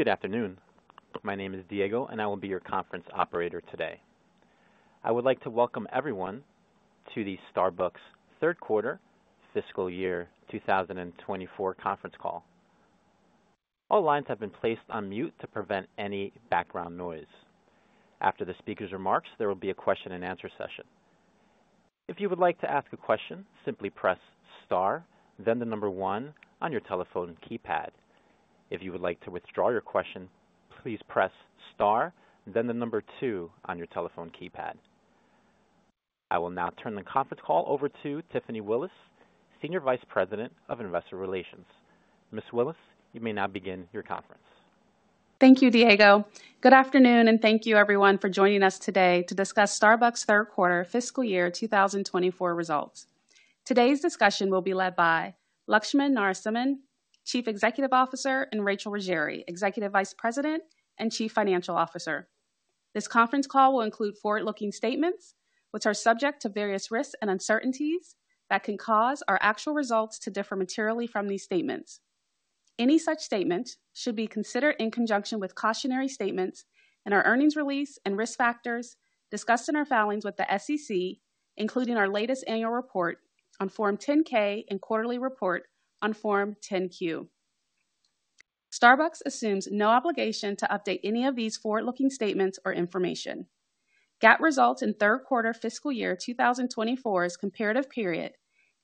Good afternoon. My name is Diego, and I will be your conference operator today. I would like to welcome everyone to the Starbucks third quarter, fiscal year 2024 conference call. All lines have been placed on mute to prevent any background noise. After the speaker's remarks, there will be a question-and-answer session. If you would like to ask a question, simply press star, then the number one on your telephone keypad. If you would like to withdraw your question, please press star, then the number two on your telephone keypad. I will now turn the conference call over to Tiffany Willis, Senior Vice President of Investor Relations. Ms. Willis, you may now begin your conference. Thank you, Diego. Good afternoon, and thank you, everyone, for joining us today to discuss Starbucks third quarter, fiscal year 2024 results. Today's discussion will be led by Laxman Narasimhan, Chief Executive Officer, and Rachel Ruggeri, Executive Vice President and Chief Financial Officer. This conference call will include forward-looking statements, which are subject to various risks and uncertainties that can cause our actual results to differ materially from these statements. Any such statement should be considered in conjunction with cautionary statements in our earnings release and risk factors discussed in our filings with the SEC, including our latest annual report on Form 10-K and quarterly report on Form 10-Q. Starbucks assumes no obligation to update any of these forward-looking statements or information. GAAP results in third quarter fiscal year 2024's comparative period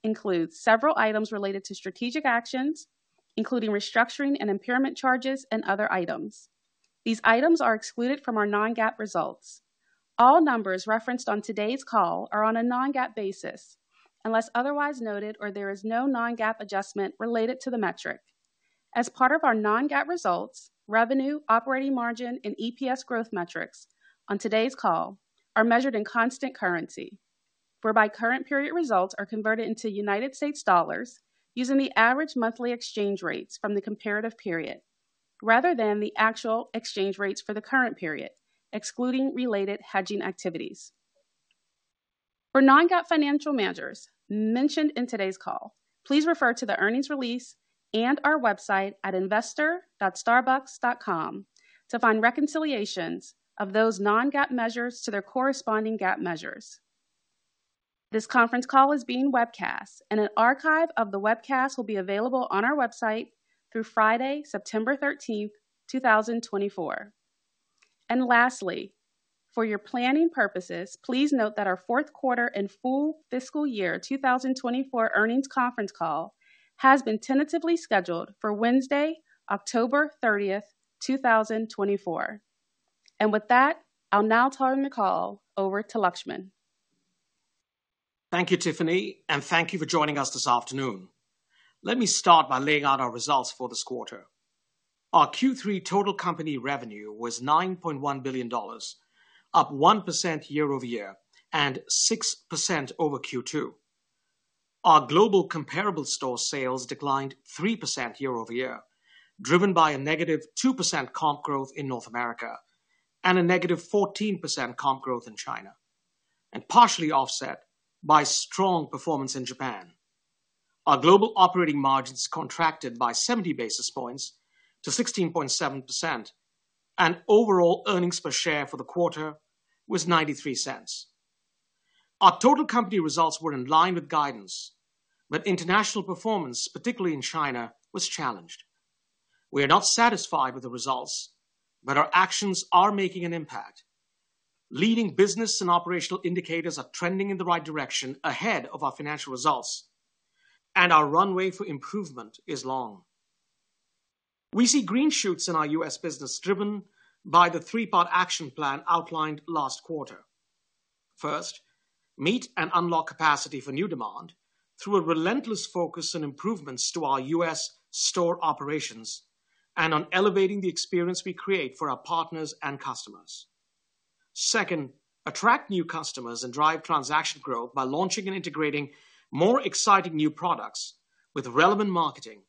include several items related to strategic actions, including restructuring and impairment charges and other items. These items are excluded from our non-GAAP results. All numbers referenced on today's call are on a non-GAAP basis unless otherwise noted or there is no non-GAAP adjustment related to the metric. As part of our non-GAAP results, revenue, operating margin, and EPS growth metrics on today's call are measured in constant currency, whereby current period results are converted into United States dollars using the average monthly exchange rates from the comparative period rather than the actual exchange rates for the current period, excluding related hedging activities. For non-GAAP financial measures mentioned in today's call, please refer to the earnings release and our website at investor.starbucks.com to find reconciliations of those non-GAAP measures to their corresponding GAAP measures. This conference call is being webcast, and an archive of the webcast will be available on our website through Friday, September 13th 2024. Lastly, for your planning purposes, please note that our fourth quarter and full fiscal year 2024 earnings conference call has been tentatively scheduled for Wednesday, October 30th 2024. With that, I'll now turn the call over to Laxman. Thank you, Tiffany, and thank you for joining us this afternoon. Let me start by laying out our results for this quarter. Our Q3 total company revenue was $9.1 billion, up 1% year-over-year and 6% over Q2. Our global comparable store sales declined 3% year-over-year, driven by a negative 2% comp growth in North America and a negative 14% comp growth in China, and partially offset by strong performance in Japan. Our global operating margins contracted by 70 basis points to 16.7%, and overall earnings per share for the quarter was $0.93. Our total company results were in line with guidance, but international performance, particularly in China, was challenged. We are not satisfied with the results, but our actions are making an impact. Leading business and operational indicators are trending in the right direction ahead of our financial results, and our runway for improvement is long. We see green shoots in our U.S. business driven by the three-part action plan outlined last quarter. First, meet and unlock capacity for new demand through a relentless focus on improvements to our U.S. store operations and on elevating the experience we create for our partners and customers. Second, attract new customers and drive transaction growth by launching and integrating more exciting new products with relevant marketing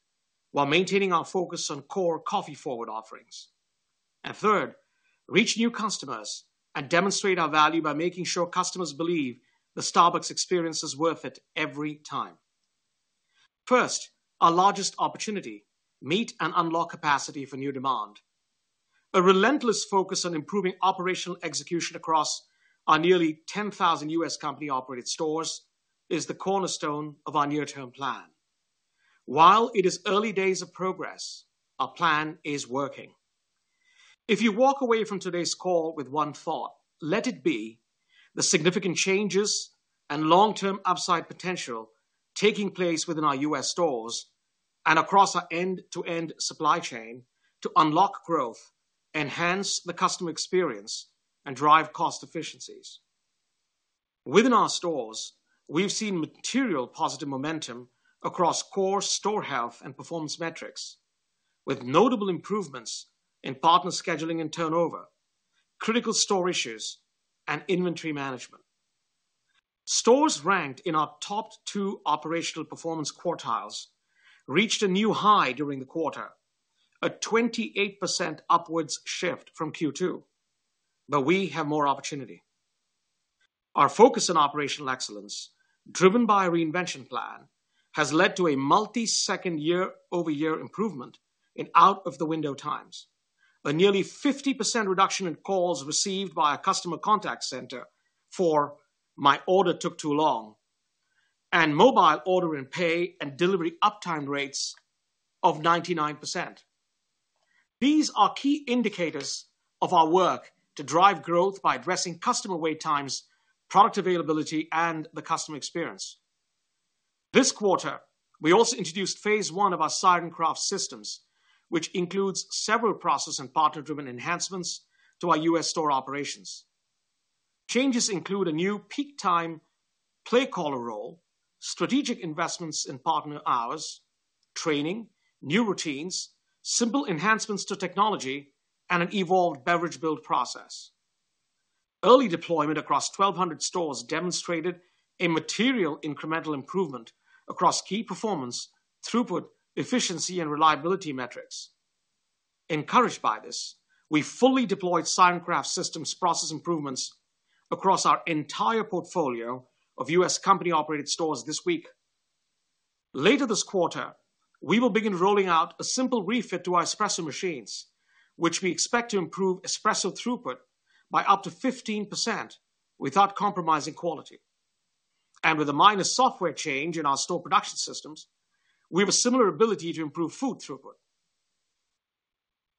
while maintaining our focus on core coffee-forward offerings. And third, reach new customers and demonstrate our value by making sure customers believe the Starbucks experience is worth it every time. First, our largest opportunity: meet and unlock capacity for new demand. A relentless focus on improving operational execution across our nearly 10,000 U.S. Company-operated stores is the cornerstone of our near-term plan. While it is early days of progress, our plan is working. If you walk away from today's call with one thought, let it be the significant changes and long-term upside potential taking place within our U.S. stores and across our end-to-end supply chain to unlock growth, enhance the customer experience, and drive cost efficiencies. Within our stores, we've seen material positive momentum across core store health and performance metrics, with notable improvements in partner scheduling and turnover, critical store issues, and inventory management. Stores ranked in our top two operational performance quartiles reached a new high during the quarter, a 28% upwards shift from Q2, but we have more opportunity. Our focus on operational excellence, driven by a reinvention plan, has led to a multi-second year-over-year improvement in out-of-the-window times, a nearly 50% reduction in calls received by a customer contact center for, "My order took too long," and Mobile Order and Pay and delivery uptime rates of 99%. These are key indicators of our work to drive growth by addressing customer wait times, product availability, and the customer experience. This quarter, we also introduced phase one of our Siren Craft Systems, which includes several process and partner-driven enhancements to our U.S. store operations. Changes include a new peak time Play Caller role, strategic investments in partner hours, training, new routines, simple enhancements to technology, and an evolved beverage build process. Early deployment across 1,200 stores demonstrated a material incremental improvement across key performance, throughput, efficiency, and reliability metrics. Encouraged by this, we fully deployed Siren Craft System process improvements across our entire portfolio of U.S. company-operated stores this week. Later this quarter, we will begin rolling out a simple refit to our espresso machines, which we expect to improve espresso throughput by up to 15% without compromising quality. With a minor software change in our store production systems, we have a similar ability to improve food throughput.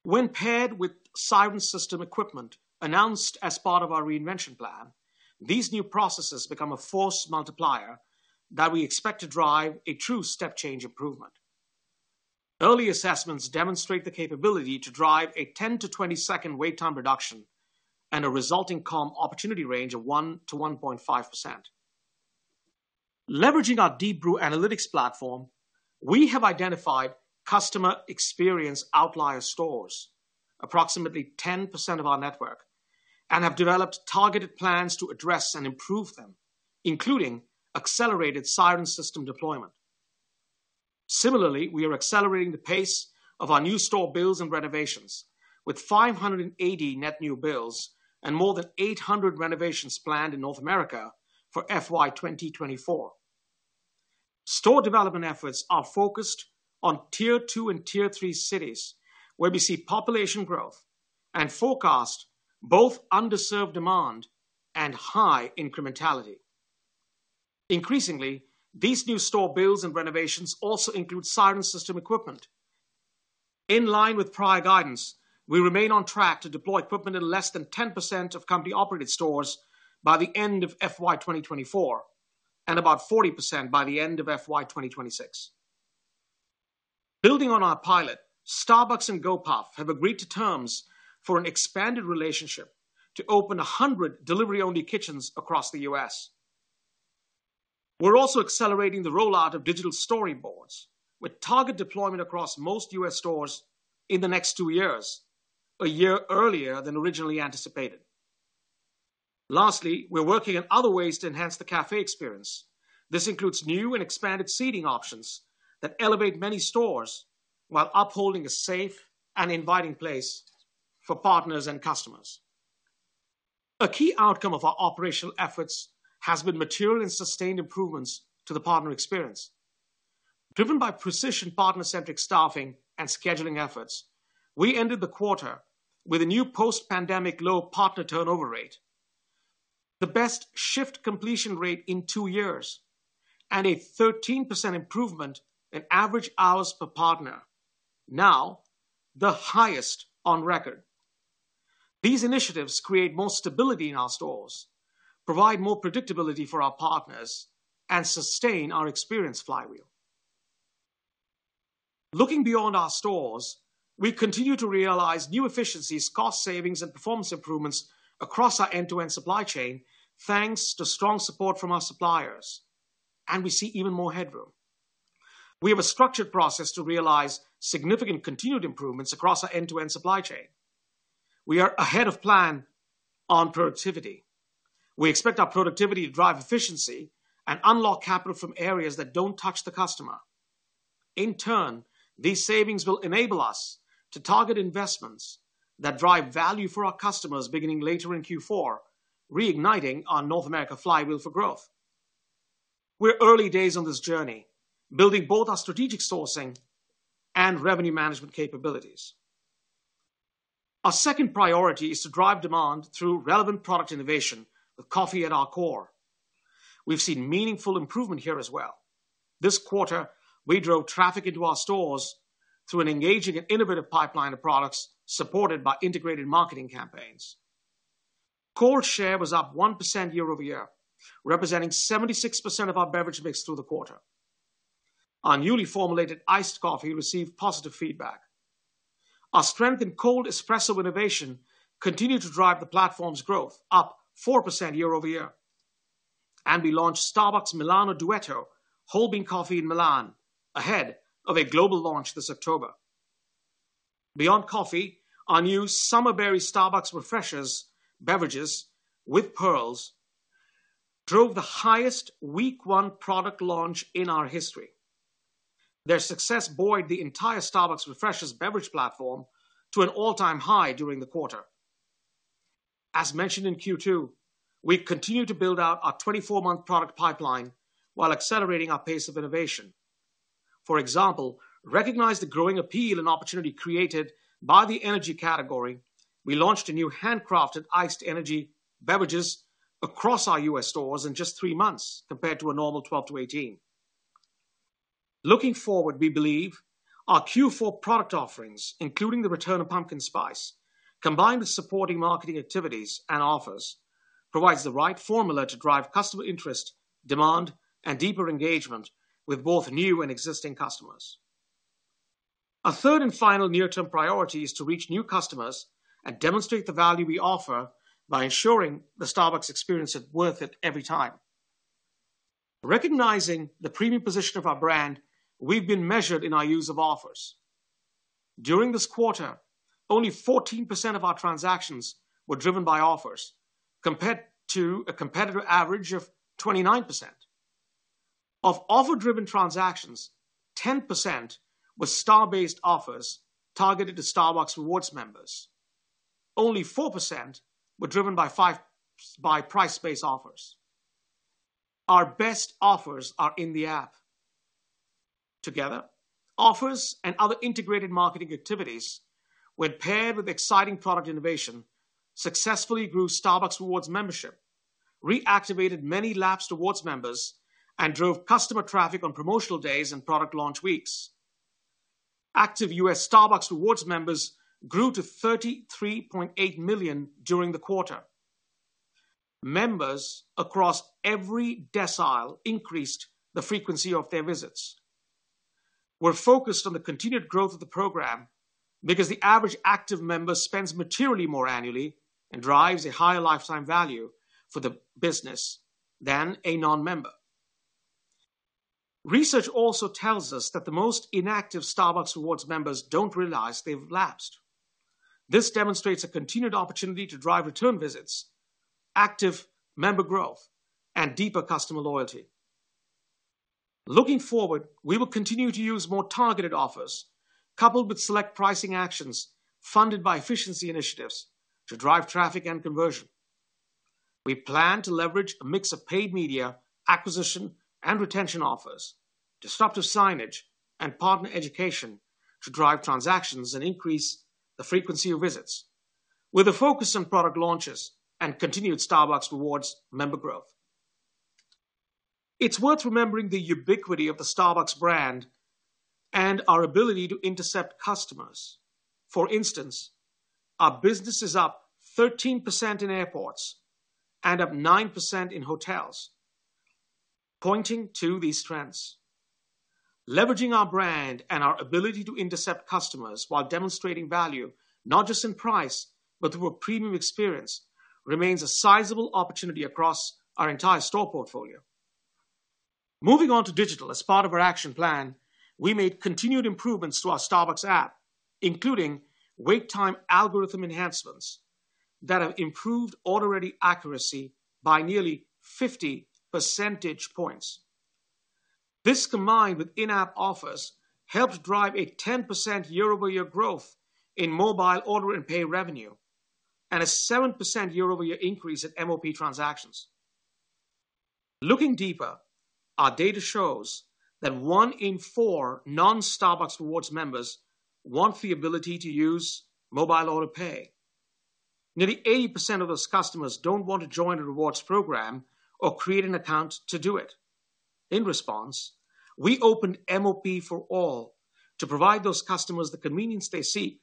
When paired with Siren System equipment announced as part of our reinvention plan, these new processes become a force multiplier that we expect to drive a true step-change improvement. Early assessments demonstrate the capability to drive a 10- to 20-second wait time reduction and a resulting comp opportunity range of 1%-1.5%. Leveraging our Deep Brew analytics platform, we have identified customer experience outlier stores, approximately 10% of our network, and have developed targeted plans to address and improve them, including accelerated Siren system deployment. Similarly, we are accelerating the pace of our new store builds and renovations, with 580 net new builds and more than 800 renovations planned in North America for FY 2024. Store development efforts are focused on tier two and tier three cities where we see population growth and forecast both underserved demand and high incrementality. Increasingly, these new store builds and renovations also include Siren system equipment. In line with prior guidance, we remain on track to deploy equipment in less than 10% of company-operated stores by the end of FY 2024 and about 40% by the end of FY 2026. Building on our pilot, Starbucks and Gopuff have agreed to terms for an expanded relationship to open 100 delivery-only kitchens across the U.S. We're also accelerating the rollout of digital storyboards, with target deployment across most U.S. stores in the next two years, a year earlier than originally anticipated. Lastly, we're working on other ways to enhance the café experience. This includes new and expanded seating options that elevate many stores while upholding a safe and inviting place for partners and customers. A key outcome of our operational efforts has been material and sustained improvements to the partner experience. Driven by precision partner-centric staffing and scheduling efforts, we ended the quarter with a new post-pandemic low partner turnover rate, the best shift completion rate in two years, and a 13% improvement in average hours per partner, now the highest on record. These initiatives create more stability in our stores, provide more predictability for our partners, and sustain our experience flywheel. Looking beyond our stores, we continue to realize new efficiencies, cost savings, and performance improvements across our end-to-end supply chain, thanks to strong support from our suppliers, and we see even more headroom. We have a structured process to realize significant continued improvements across our end-to-end supply chain. We are ahead of plan on productivity. We expect our productivity to drive efficiency and unlock capital from areas that don't touch the customer. In turn, these savings will enable us to target investments that drive value for our customers beginning later in Q4, reigniting our North America flywheel for growth. We're early days on this journey, building both our strategic sourcing and revenue management capabilities. Our second priority is to drive demand through relevant product innovation, with coffee at our core. We've seen meaningful improvement here as well. This quarter, we drove traffic into our stores through an engaging and innovative pipeline of products supported by integrated marketing campaigns. Cold share was up 1% year-over-year, representing 76% of our beverage mix through the quarter. Our newly formulated iced coffee received positive feedback. Our strength in cold espresso innovation continued to drive the platform's growth, up 4% year-over-year, and we launched Starbucks Milano Duetto whole bean coffee in Milan, ahead of a global launch this October. Beyond coffee, our new Summer Berry Starbucks Refreshers beverages with pearls drove the highest week one product launch in our history. Their success buoyed the entire Starbucks Refreshers beverage platform to an all-time high during the quarter. As mentioned in Q2, we continue to build out our 24-month product pipeline while accelerating our pace of innovation. For example, recognize the growing appeal and opportunity created by the energy category. We launched a new handcrafted Iced Energy beverages across our U.S. stores in just three months compared to a normal 12 to 18. Looking forward, we believe our Q4 product offerings, including the return of Pumpkin Spice, combined with supporting marketing activities and offers, provide the right formula to drive customer interest, demand, and deeper engagement with both new and existing customers. Our third and final near-term priority is to reach new customers and demonstrate the value we offer by ensuring the Starbucks experience is worth it every time. Recognizing the premium position of our brand, we've been measured in our use of offers. During this quarter, only 14% of our transactions were driven by offers compared to a competitor average of 29%. Of offer-driven transactions, 10% were Star-based offers targeted to Starbucks Rewards members. Only 4% were driven by price-based offers. Our best offers are in the app. Together, offers and other integrated marketing activities, when paired with exciting product innovation, successfully grew Starbucks Rewards membership, reactivated many lapsed Rewards members, and drove customer traffic on promotional days and product launch weeks. Active U.S. Starbucks Rewards members grew to 33.8 million during the quarter. Members across every decile increased the frequency of their visits. We're focused on the continued growth of the program because the average active member spends materially more annually and drives a higher lifetime value for the business than a non-member. Research also tells us that the most inactive Starbucks Rewards members don't realize they've lapsed. This demonstrates a continued opportunity to drive return visits, active member growth, and deeper customer loyalty. Looking forward, we will continue to use more targeted offers coupled with select pricing actions funded by efficiency initiatives to drive traffic and conversion. We plan to leverage a mix of paid media acquisition and retention offers, disruptive signage, and partner education to drive transactions and increase the frequency of visits, with a focus on product launches and continued Starbucks Rewards member growth. It's worth remembering the ubiquity of the Starbucks brand and our ability to intercept customers. For instance, our business is up 13% in airports and up 9% in hotels, pointing to these trends. Leveraging our brand and our ability to intercept customers while demonstrating value not just in price, but through a premium experience, remains a sizable opportunity across our entire store portfolio. Moving on to digital, as part of our action plan, we made continued improvements to our Starbucks app, including wait time algorithm enhancements that have improved order-ready accuracy by nearly 50 percentage points. This, combined with in-app offers, helped drive a 10% year-over-year growth in mobile order and pay revenue and a 7% year-over-year increase in MOP transactions. Looking deeper, our data shows that one in four non-Starbucks Rewards members want the ability to use mobile order and pay. Nearly 80% of those customers don't want to join a Rewards program or create an account to do it. In response, we opened MOP for all to provide those customers the convenience they seek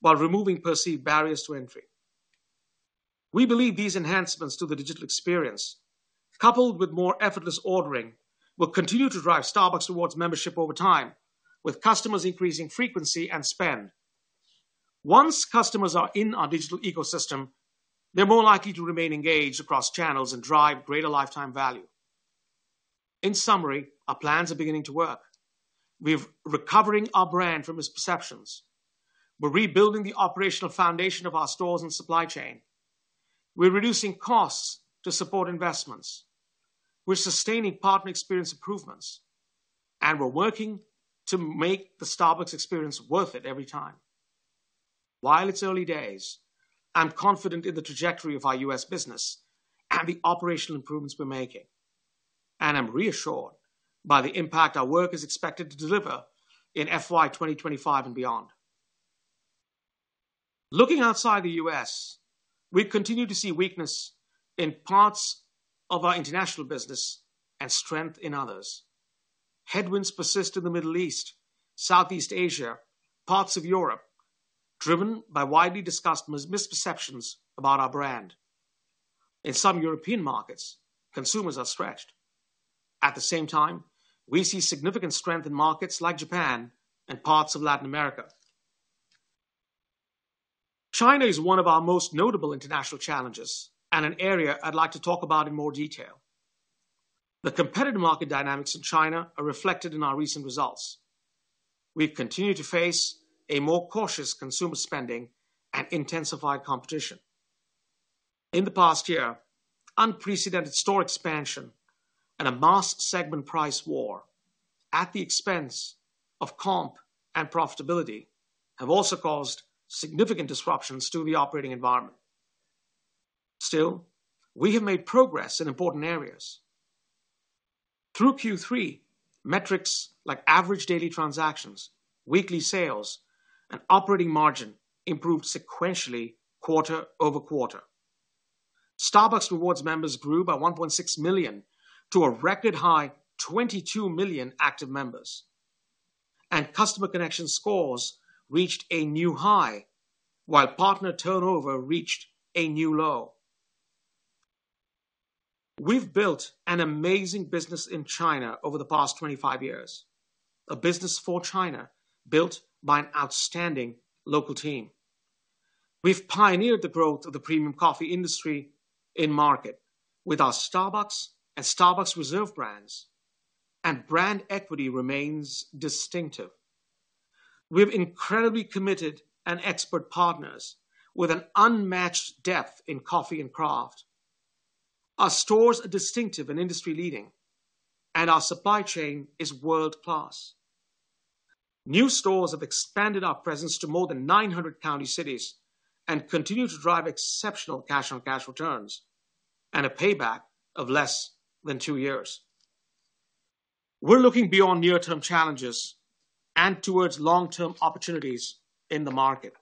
while removing perceived barriers to entry. We believe these enhancements to the digital experience, coupled with more effortless ordering, will continue to drive Starbucks Rewards membership over time, with customers increasing frequency and spend. Once customers are in our digital ecosystem, they're more likely to remain engaged across channels and drive greater lifetime value. In summary, our plans are beginning to work. We're recovering our brand from misperceptions. We're rebuilding the operational foundation of our stores and supply chain. We're reducing costs to support investments. We're sustaining partner experience improvements. And we're working to make the Starbucks experience worth it every time. While it's early days, I'm confident in the trajectory of our U.S. business and the operational improvements we're making. And I'm reassured by the impact our work is expected to deliver in FY 2025 and beyond. Looking outside the U.S., we continue to see weakness in parts of our international business and strength in others. Headwinds persist in the Middle East, Southeast Asia, parts of Europe, driven by widely discussed misperceptions about our brand. In some European markets, consumers are stretched. At the same time, we see significant strength in markets like Japan and parts of Latin America. China is one of our most notable international challenges and an area I'd like to talk about in more detail. The competitive market dynamics in China are reflected in our recent results. We've continued to face a more cautious consumer spending and intensified competition. In the past year, unprecedented store expansion and a mass segment price war at the expense of comp and profitability have also caused significant disruptions to the operating environment. Still, we have made progress in important areas. Through Q3, metrics like average daily transactions, weekly sales, and operating margin improved sequentially quarter-over-quarter. Starbucks Rewards members grew by 1.6 million to a record high, 22 million active members. Customer connection scores reached a new high, while partner turnover reached a new low. We've built an amazing business in China over the past 25 years, a business for China built by an outstanding local team. We've pioneered the growth of the premium coffee industry in the market with our Starbucks and Starbucks Reserve brands, and brand equity remains distinctive. We have incredibly committed and expert partners with an unmatched depth in coffee and craft. Our stores are distinctive and industry-leading, and our supply chain is world-class. New stores have expanded our presence to more than 900 county cities and continue to drive exceptional cash-on-cash returns and a payback of less than two years. We're looking beyond near-term challenges and towards long-term opportunities in the market.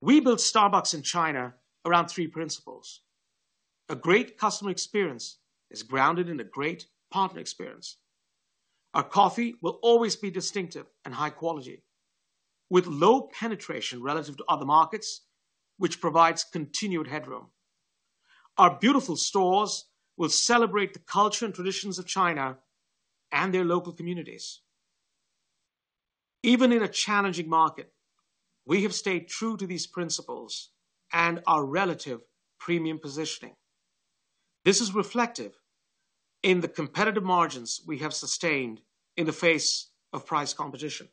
We built Starbucks in China around three principles. A great customer experience is grounded in a great partner experience. Our coffee will always be distinctive and high quality, with low penetration relative to other markets, which provides continued headroom. Our beautiful stores will celebrate the culture and traditions of China and their local communities. Even in a challenging market, we have stayed true to these principles and our relative premium positioning. This is reflective in the competitive margins we have sustained in the face of price competition.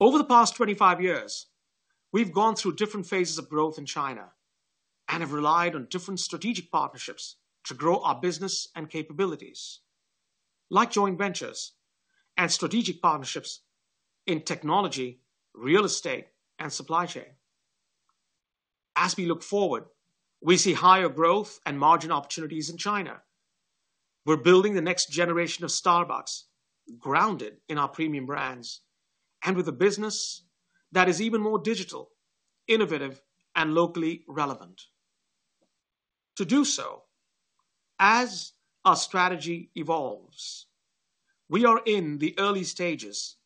Over the past 25 years, we've gone through different phases of growth in China and have relied on different strategic partnerships to grow our business and capabilities, like joint ventures and strategic partnerships in technology, real estate, and supply chain. As we look forward, we see higher growth and margin opportunities in China. We're building the next generation of Starbucks grounded in our premium brands and with a business that is even more digital, innovative, and locally relevant. To do so, as our strategy evolves, we are in the early stages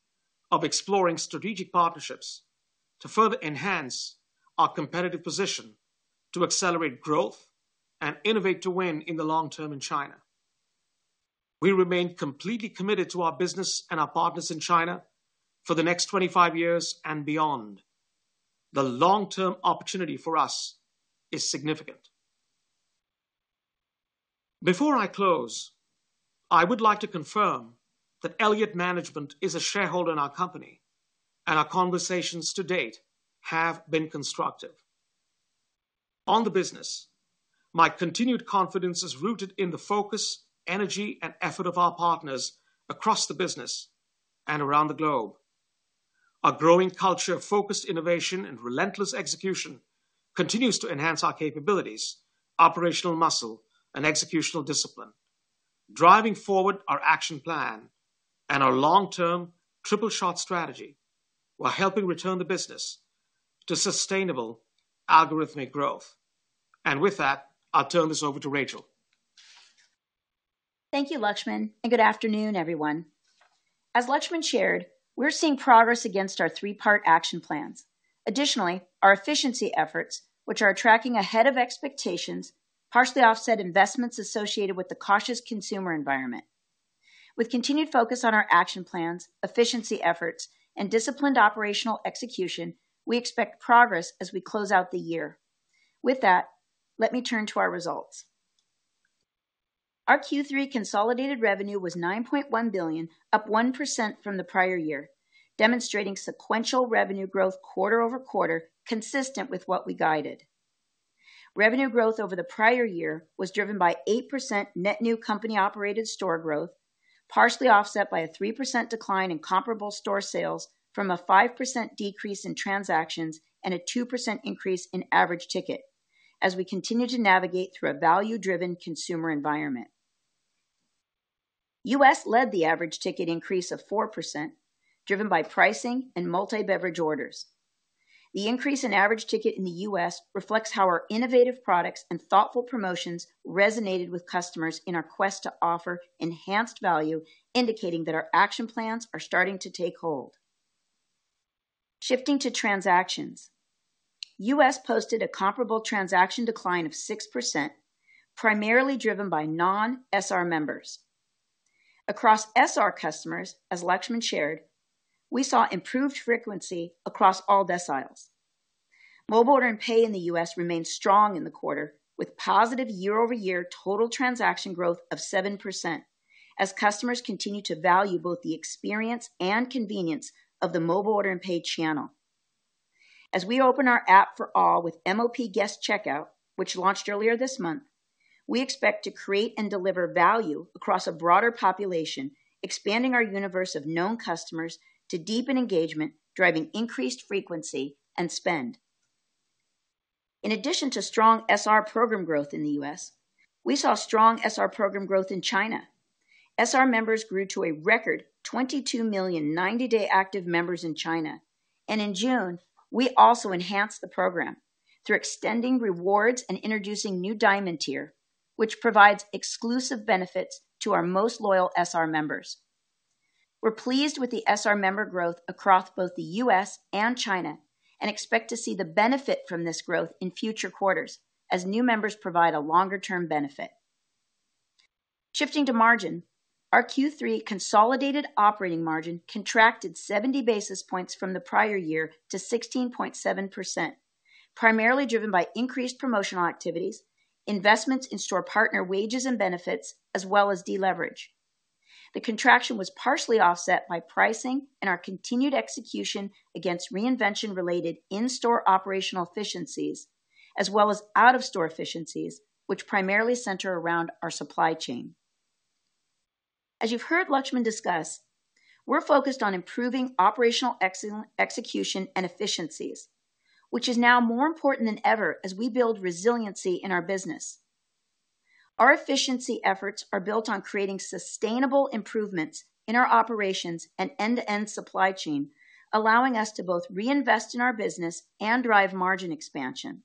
of exploring strategic partnerships to further enhance our competitive position, to accelerate growth, and innovate to win in the long term in China. We remain completely committed to our business and our partners in China for the next 25 years and beyond. The long-term opportunity for us is significant. Before I close, I would like to confirm that Elliott Management is a shareholder in our company, and our conversations to date have been constructive. On the business, my continued confidence is rooted in the focus, energy, and effort of our partners across the business and around the globe. Our growing culture of focused innovation and relentless execution continues to enhance our capabilities, operational muscle, and executional discipline, driving forward our action plan and our long-term Tripleshot strategy while helping return the business to sustainable algorithmic growth. With that, I'll turn this over to Rachel. Thank you, Laxman, and good afternoon, everyone. As Laxman shared, we're seeing progress against our three-part action plans. Additionally, our efficiency efforts, which are tracking ahead of expectations, partially offset investments associated with the cautious consumer environment. With continued focus on our action plans, efficiency efforts, and disciplined operational execution, we expect progress as we close out the year. With that, let me turn to our results. Our Q3 consolidated revenue was $9.1 billion, up 1% from the prior year, demonstrating sequential revenue growth quarter-over-quarter consistent with what we guided. Revenue growth over the prior year was driven by 8% net new company-operated store growth, partially offset by a 3% decline in comparable store sales from a 5% decrease in transactions and a 2% increase in average ticket, as we continue to navigate through a value-driven consumer environment. U.S. led the average ticket increase of 4%, driven by pricing and multi-beverage orders. The increase in average ticket in the U.S. reflects how our innovative products and thoughtful promotions resonated with customers in our quest to offer enhanced value, indicating that our action plans are starting to take hold. Shifting to transactions, U.S. posted a comparable transaction decline of 6%, primarily driven by non-SR members. Across SR customers, as Laxman shared, we saw improved frequency across all deciles. Mobile order-in-pay in the U.S. remained strong in the quarter, with positive year-over-year total transaction growth of 7%, as customers continue to value both the experience and convenience of the mobile order-in-pay channel. As we open our app for all with MOP guest checkout, which launched earlier this month, we expect to create and deliver value across a broader population, expanding our universe of known customers to deepen engagement, driving increased frequency and spend. In addition to strong SR program growth in the U.S., we saw strong SR program growth in China. SR members grew to a record 22 million 90-day active members in China. In June, we also enhanced the program through extending rewards and introducing new Diamond tier, which provides exclusive benefits to our most loyal SR members. We're pleased with the SR member growth across both the U.S. and China and expect to see the benefit from this growth in future quarters, as new members provide a longer-term benefit. Shifting to margin, our Q3 consolidated operating margin contracted 70 basis points from the prior year to 16.7%, primarily driven by increased promotional activities, investments in store partner wages and benefits, as well as deleverage. The contraction was partially offset by pricing and our continued execution against reinvention-related in-store operational efficiencies, as well as out-of-store efficiencies, which primarily center around our supply chain. As you've heard Laxman discuss, we're focused on improving operational execution and efficiencies, which is now more important than ever as we build resiliency in our business. Our efficiency efforts are built on creating sustainable improvements in our operations and end-to-end supply chain, allowing us to both reinvest in our business and drive margin expansion.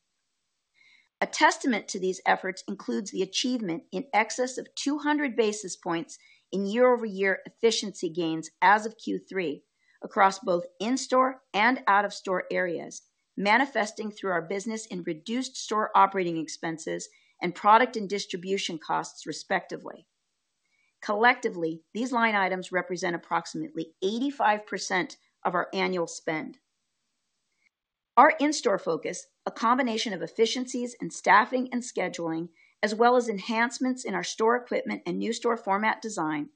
A testament to these efforts includes the achievement in excess of 200 basis points in year-over-year efficiency gains as of Q3 across both in-store and out-of-store areas, manifesting through our business in reduced store operating expenses and product and distribution costs, respectively. Collectively, these line items represent approximately 85% of our annual spend. Our in-store focus, a combination of efficiencies in staffing and scheduling, as well as enhancements in our store equipment and new store format design,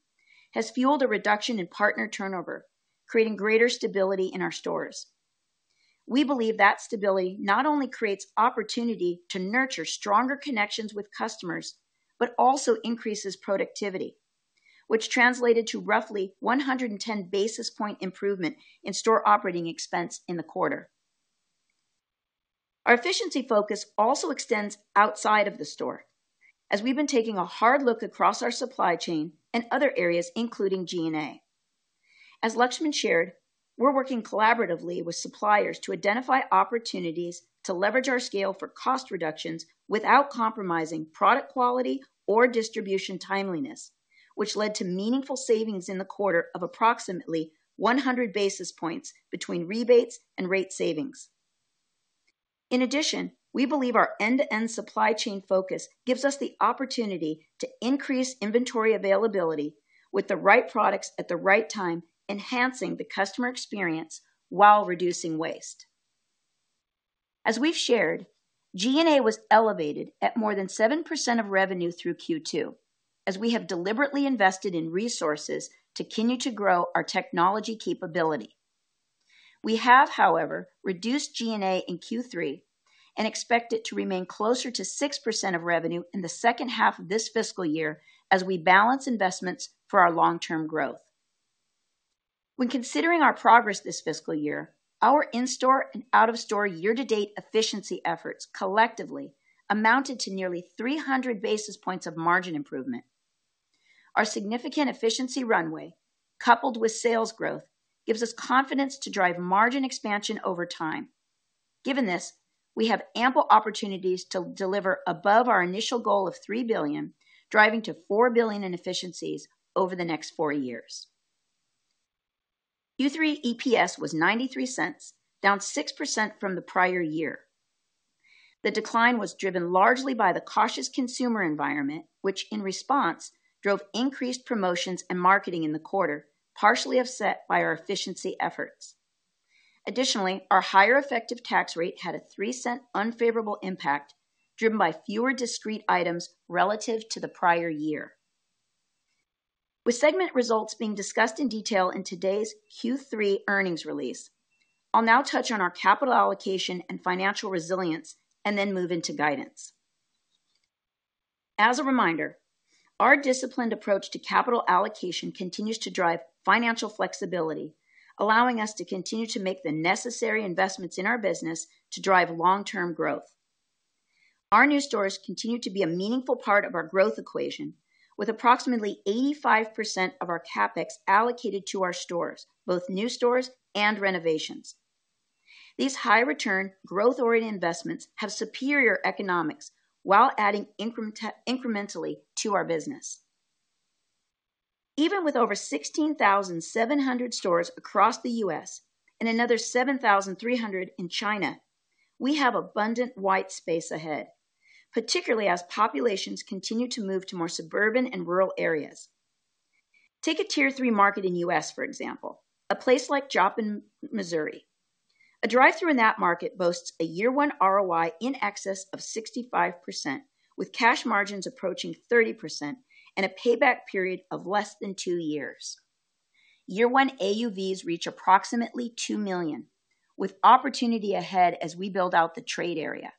has fueled a reduction in partner turnover, creating greater stability in our stores. We believe that stability not only creates opportunity to nurture stronger connections with customers, but also increases productivity, which translated to roughly 110 basis point improvement in store operating expense in the quarter. Our efficiency focus also extends outside of the store, as we've been taking a hard look across our supply chain and other areas, including G&A. As Laxman shared, we're working collaboratively with suppliers to identify opportunities to leverage our scale for cost reductions without compromising product quality or distribution timeliness, which led to meaningful savings in the quarter of approximately 100 basis points between rebates and rate savings. In addition, we believe our end-to-end supply chain focus gives us the opportunity to increase inventory availability with the right products at the right time, enhancing the customer experience while reducing waste. As we've shared, G&A was elevated at more than 7% of revenue through Q2, as we have deliberately invested in resources to continue to grow our technology capability. We have, however, reduced G&A in Q3 and expect it to remain closer to 6% of revenue in the second half of this fiscal year as we balance investments for our long-term growth. When considering our progress this fiscal year, our in-store and out-of-store year-to-date efficiency efforts collectively amounted to nearly 300 basis points of margin improvement. Our significant efficiency runway, coupled with sales growth, gives us confidence to drive margin expansion over time. Given this, we have ample opportunities to deliver above our initial goal of $3 billion, driving to $4 billion in efficiencies over the next four years. Q3 EPS was $0.93, down 6% from the prior year. The decline was driven largely by the cautious consumer environment, which in response drove increased promotions and marketing in the quarter, partially offset by our efficiency efforts. Additionally, our higher effective tax rate had a $0.03 unfavorable impact, driven by fewer discrete items relative to the prior year. With segment results being discussed in detail in today's Q3 earnings release, I'll now touch on our capital allocation and financial resilience and then move into guidance. As a reminder, our disciplined approach to capital allocation continues to drive financial flexibility, allowing us to continue to make the necessary investments in our business to drive long-term growth. Our new stores continue to be a meaningful part of our growth equation, with approximately 85% of our CapEx allocated to our stores, both new stores and renovations. These high-return, growth-oriented investments have superior economics while adding incrementally to our business. Even with over 16,700 stores across the U.S. and another 7,300 in China, we have abundant white space ahead, particularly as populations continue to move to more suburban and rural areas. Take a Tier 3 market in U.S., for example, a place like Joplin, Missouri. A drive-through in that market boasts a year-one ROI in excess of 65%, with cash margins approaching 30% and a payback period of less than two years. Year-one AUVs reach approximately $2 million, with opportunity ahead as we build out the trade area.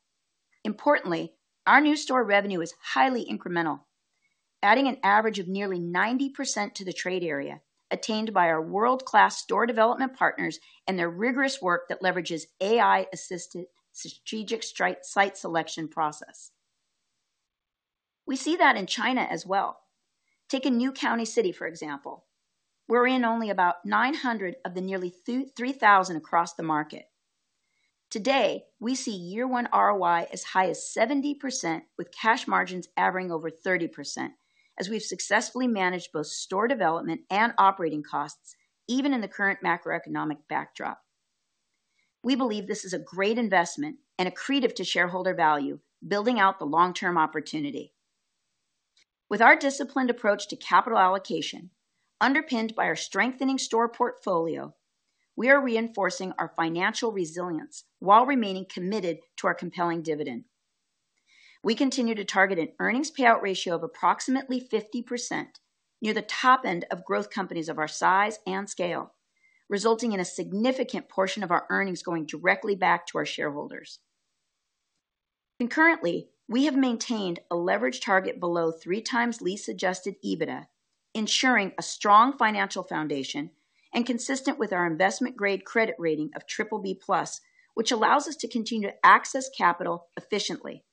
Importantly, our new store revenue is highly incremental, adding an average of nearly 90% to the trade area attained by our world-class store development partners and their rigorous work that leverages AI-assisted strategic site selection process. We see that in China as well. Take a new county city, for example. We're in only about 900 of the nearly 3,000 across the market. Today, we see year-one ROI as high as 70%, with cash margins averaging over 30%, as we've successfully managed both store development and operating costs, even in the current macroeconomic backdrop. We believe this is a great investment and a creator of shareholder value, building out the long-term opportunity. With our disciplined approach to capital allocation, underpinned by our strengthening store portfolio, we are reinforcing our financial resilience while remaining committed to our compelling dividend. We continue to target an earnings payout ratio of approximately 50%, near the top end of growth companies of our size and scale, resulting in a significant portion of our earnings going directly back to our shareholders. Concurrently, we have maintained a leverage target below three times LTM adjusted EBITDA, ensuring a strong financial foundation and consistent with our investment-grade credit rating of BBB Plus, which allows us to continue to access capital efficiently.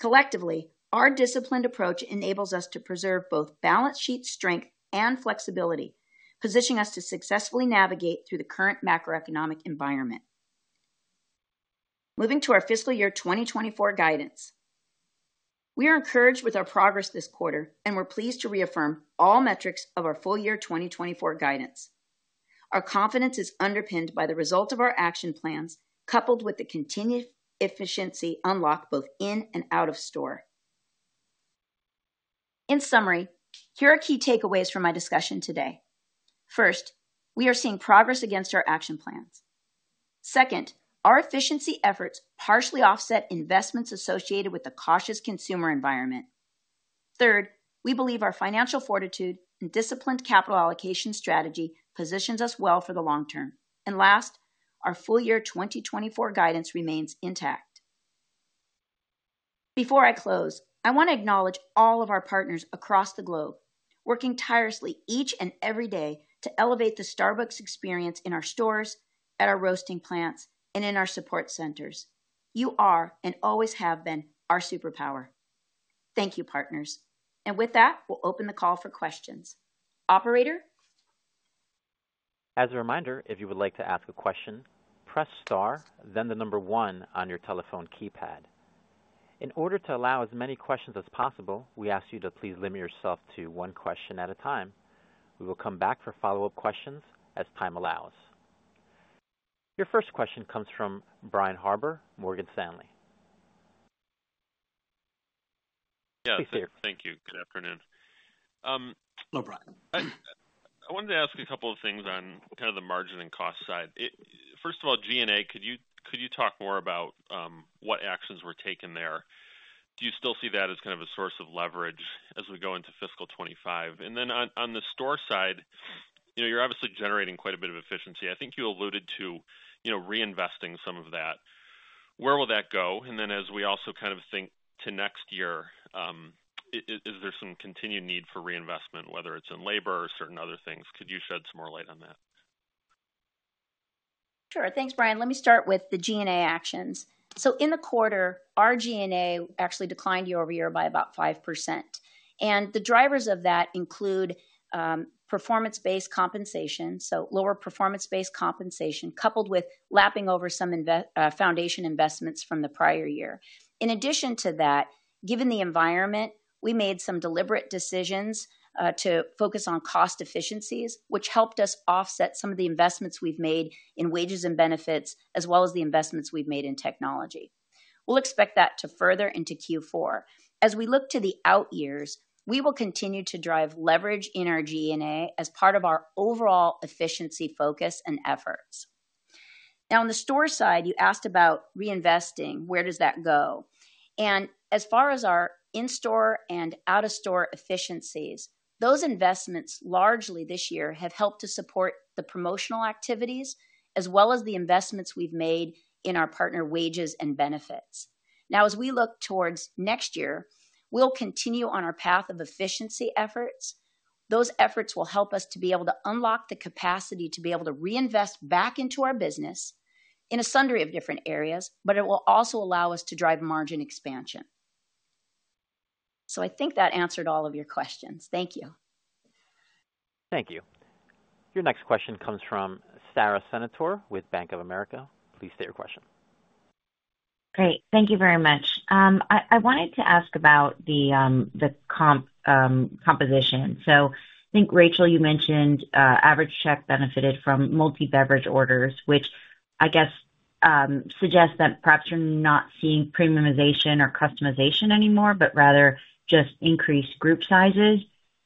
Collectively, our disciplined approach enables us to preserve both balance sheet strength and flexibility, positioning us to successfully navigate through the current macroeconomic environment. Moving to our fiscal year 2024 guidance, we are encouraged with our progress this quarter, and we're pleased to reaffirm all metrics of our full year 2024 guidance. Our confidence is underpinned by the results of our action plans, coupled with the continued efficiency unlocked both in and out of store. In summary, here are key takeaways from my discussion today. First, we are seeing progress against our action plans. Second, our efficiency efforts partially offset investments associated with the cautious consumer environment. Third, we believe our financial fortitude and disciplined capital allocation strategy positions us well for the long term. And last, our full year 2024 guidance remains intact. Before I close, I want to acknowledge all of our partners across the globe, working tirelessly each and every day to elevate the Starbucks experience in our stores, at our roasting plants, and in our support centers. You are and always have been our superpower. Thank you, partners. And with that, we'll open the call for questions. Operator. As a reminder, if you would like to ask a question, press star, then the number one on your telephone keypad. In order to allow as many questions as possible, we ask you to please limit yourself to one question at a time. We will come back for follow-up questions as time allows. Your first question comes from Brian Harbour, Morgan Stanley. Yes. Please proceed. Thank you. Good afternoon. Hello, Brian. I wanted to ask a couple of things on kind of the margin and cost side. First of all, G&A, could you talk more about what actions were taken there? Do you still see that as kind of a source of leverage as we go into fiscal 2025? And then on the store side, you're obviously generating quite a bit of efficiency. I think you alluded to reinvesting some of that. Where will that go? And then as we also kind of think to next year, is there some continued need for reinvestment, whether it's in labor or certain other things? Could you shed some more light on that? Sure. Thanks, Brian. Let me start with the G&A actions. So in the quarter, our G&A actually declined year-over-year by about 5%. And the drivers of that include performance-based compensation, so lower performance-based compensation, coupled with lapping over some foundation investments from the prior year. In addition to that, given the environment, we made some deliberate decisions to focus on cost efficiencies, which helped us offset some of the investments we've made in wages and benefits, as well as the investments we've made in technology. We'll expect that to further into Q4. As we look to the out years, we will continue to drive leverage in our G&A as part of our overall efficiency focus and efforts. Now, on the store side, you asked about reinvesting. Where does that go? And as far as our in-store and out-of-store efficiencies, those investments largely this year have helped to support the promotional activities, as well as the investments we've made in our partner wages and benefits. Now, as we look towards next year, we'll continue on our path of efficiency efforts. Those efforts will help us to be able to unlock the capacity to be able to reinvest back into our business in a sundry of different areas, but it will also allow us to drive margin expansion. So I think that answered all of your questions. Thank you. Thank you. Your next question comes from Sara Senatore with Bank of America. Please state your question. Great. Thank you very much. I wanted to ask about the comp position. So I think, Rachel, you mentioned average check benefited from multi-beverage orders, which I guess suggests that perhaps you're not seeing premiumization or customization anymore, but rather just increased group sizes.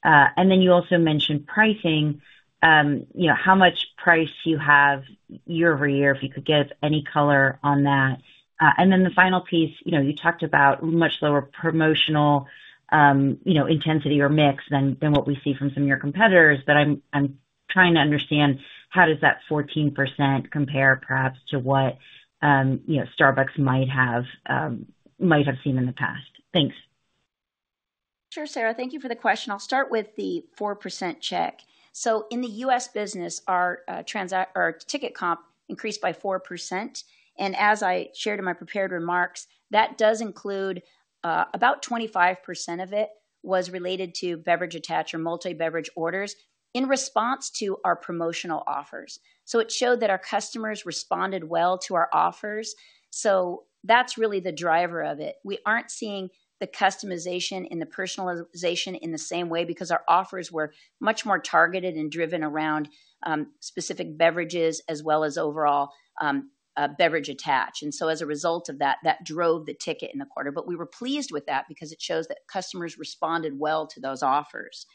And then you also mentioned pricing, how much price you have year-over-year, if you could give any color on that. And then the final piece, you talked about much lower promotional intensity or mix than what we see from some of your competitors. But I'm trying to understand how does that 14% compare perhaps to what Starbucks might have seen in the past. Thanks. Sure, Sarah. Thank you for the question. I'll start with the 4% check. So in the U.S. business, our ticket comp increased by 4%. As I shared in my prepared remarks, that does include about 25% of it was related to beverage attach or multi-beverage orders in response to our promotional offers. It showed that our customers responded well to our offers. That's really the driver of it. We aren't seeing the customization and the personalization in the same way because our offers were much more targeted and driven around specific beverages as well as overall beverage attach. As a result of that, that drove the ticket in the quarter. We were pleased with that because it shows that customers responded well to those offers.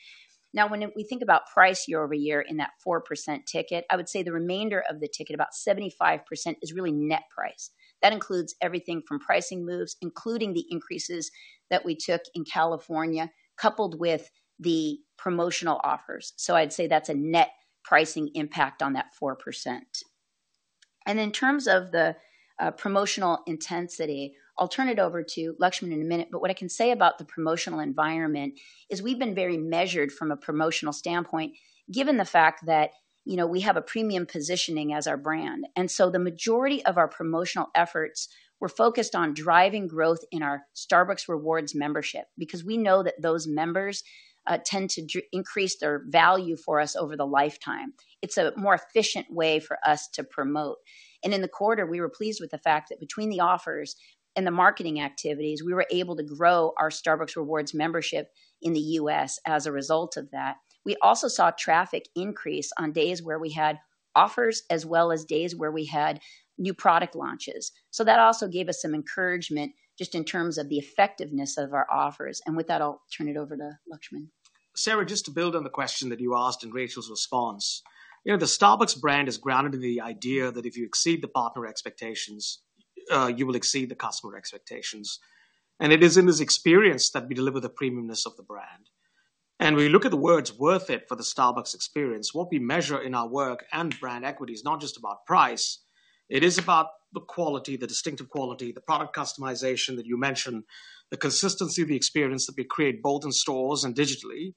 Now, when we think about price year-over-year in that 4% ticket, I would say the remainder of the ticket, about 75%, is really net price. That includes everything from pricing moves, including the increases that we took in California, coupled with the promotional offers. So I'd say that's a net pricing impact on that 4%. And in terms of the promotional intensity, I'll turn it over to Laxman in a minute. But what I can say about the promotional environment is we've been very measured from a promotional standpoint, given the fact that we have a premium positioning as our brand. And so the majority of our promotional efforts were focused on driving growth in our Starbucks Rewards membership because we know that those members tend to increase their value for us over the lifetime. It's a more efficient way for us to promote. And in the quarter, we were pleased with the fact that between the offers and the marketing activities, we were able to grow our Starbucks Rewards membership in the U.S. As a result of that, we also saw traffic increase on days where we had offers as well as days where we had new product launches. So that also gave us some encouragement just in terms of the effectiveness of our offers. With that, I'll turn it over to Laxman. Sara, just to build on the question that you asked in Rachel's response, the Starbucks brand is grounded in the idea that if you exceed the partner expectations, you will exceed the customer expectations. It is in this experience that we deliver the premiumness of the brand. When you look at the words worth it for the Starbucks experience, what we measure in our work and brand equity is not just about price. It is about the quality, the distinctive quality, the product customization that you mentioned, the consistency of the experience that we create both in stores and digitally,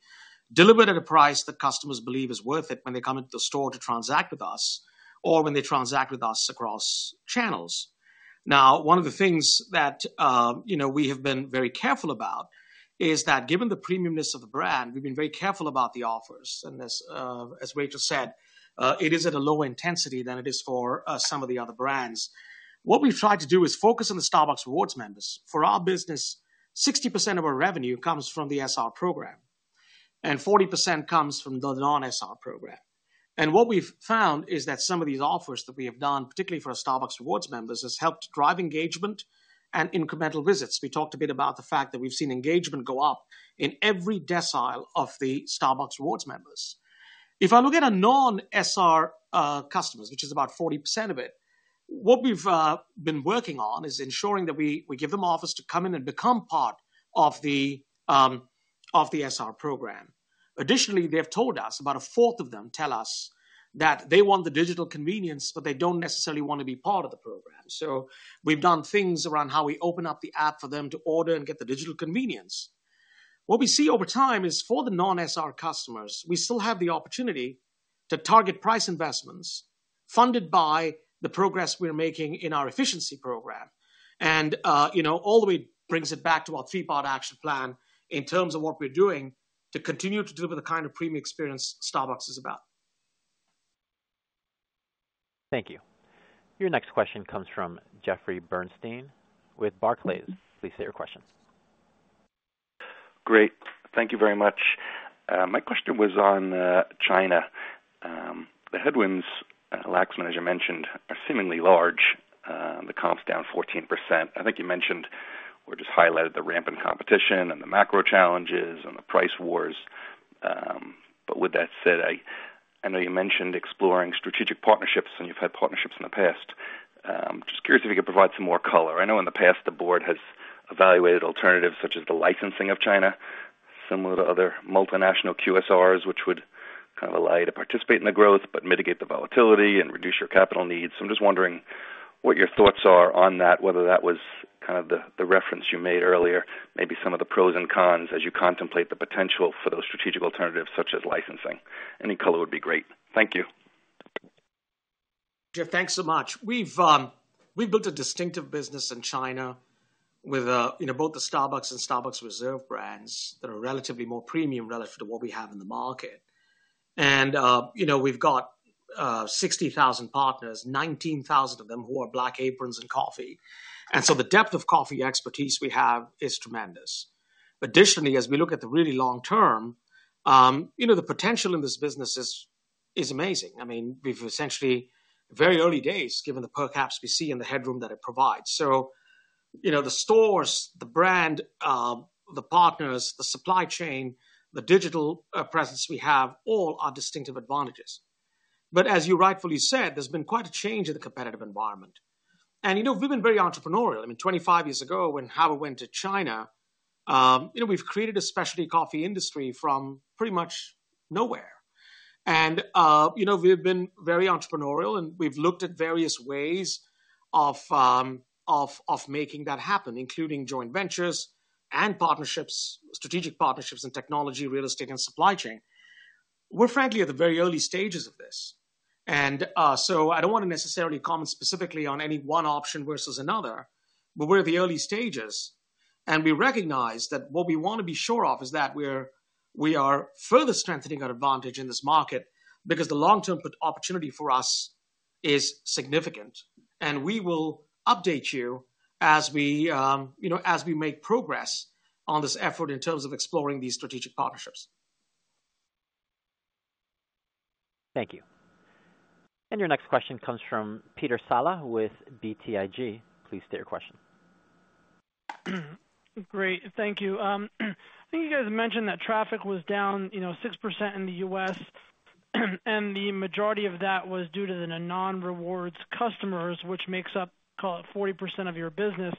delivered at a price that customers believe is worth it when they come into the store to transact with us or when they transact with us across channels. Now, one of the things that we have been very careful about is that given the premiumness of the brand, we've been very careful about the offers. As Rachel said, it is at a lower intensity than it is for some of the other brands. What we've tried to do is focus on the Starbucks Rewards members. For our business, 60% of our revenue comes from the SR program, and 40% comes from the non-SR program. What we've found is that some of these offers that we have done, particularly for our Starbucks Rewards members, has helped drive engagement and incremental visits. We talked a bit about the fact that we've seen engagement go up in every decile of the Starbucks Rewards members. If I look at our non-SR customers, which is about 40% of it, what we've been working on is ensuring that we give them offers to come in and become part of the SR program. Additionally, they've told us about a fourth of them tell us that they want the digital convenience, but they don't necessarily want to be part of the program. So we've done things around how we open up the app for them to order and get the digital convenience. What we see over time is for the non-SR customers, we still have the opportunity to target price investments funded by the progress we're making in our efficiency program. And all of it brings it back to our three-part action plan in terms of what we're doing to continue to deliver the kind of premium experience Starbucks is about. Thank you. Your next question comes from Jeffrey Bernstein with Barclays. Please state your question. Great. Thank you very much. My question was on China. The headwinds, Laxman, as you mentioned, are seemingly large. The comp's down 14%. I think you mentioned or just highlighted the rampant competition and the macro challenges and the price wars. But with that said, I know you mentioned exploring strategic partnerships, and you've had partnerships in the past. Just curious if you could provide some more color. I know in the past, the board has evaluated alternatives such as the licensing of China, similar to other multinational QSRs, which would kind of allow you to participate in the growth, but mitigate the volatility and reduce your capital needs. I'm just wondering what your thoughts are on that, whether that was kind of the reference you made earlier, maybe some of the pros and cons as you contemplate the potential for those strategic alternatives such as licensing. Any color would be great. Thank you. Jeff, thanks so much. We've built a distinctive business in China with both the Starbucks and Starbucks Reserve brands that are relatively more premium relative to what we have in the market. And we've got 60,000 partners, 19,000 of them who are Black Aprons and coffee. And so the depth of coffee expertise we have is tremendous. Additionally, as we look at the really long term, the potential in this business is amazing. I mean, we've essentially very early days, given the per caps we see and the headroom that it provides. So the stores, the brand, the partners, the supply chain, the digital presence we have, all are distinctive advantages. But as you rightfully said, there's been quite a change in the competitive environment. And we've been very entrepreneurial. I mean, 25 years ago when Howard went to China, we've created a specialty coffee industry from pretty much nowhere. And we've been very entrepreneurial, and we've looked at various ways of making that happen, including joint ventures and partnerships, strategic partnerships in technology, real estate, and supply chain. We're frankly at the very early stages of this. And so I don't want to necessarily comment specifically on any one option versus another, but we're at the early stages. We recognize that what we want to be sure of is that we are further strengthening our advantage in this market because the long-term opportunity for us is significant. We will update you as we make progress on this effort in terms of exploring these strategic partnerships. Thank you. Your next question comes from Peter Saleh with BTIG. Please state your question. Great. Thank you. I think you guys mentioned that traffic was down 6% in the U.S. The majority of that was due to the non-rewards customers, which makes up, call it, 40% of your business.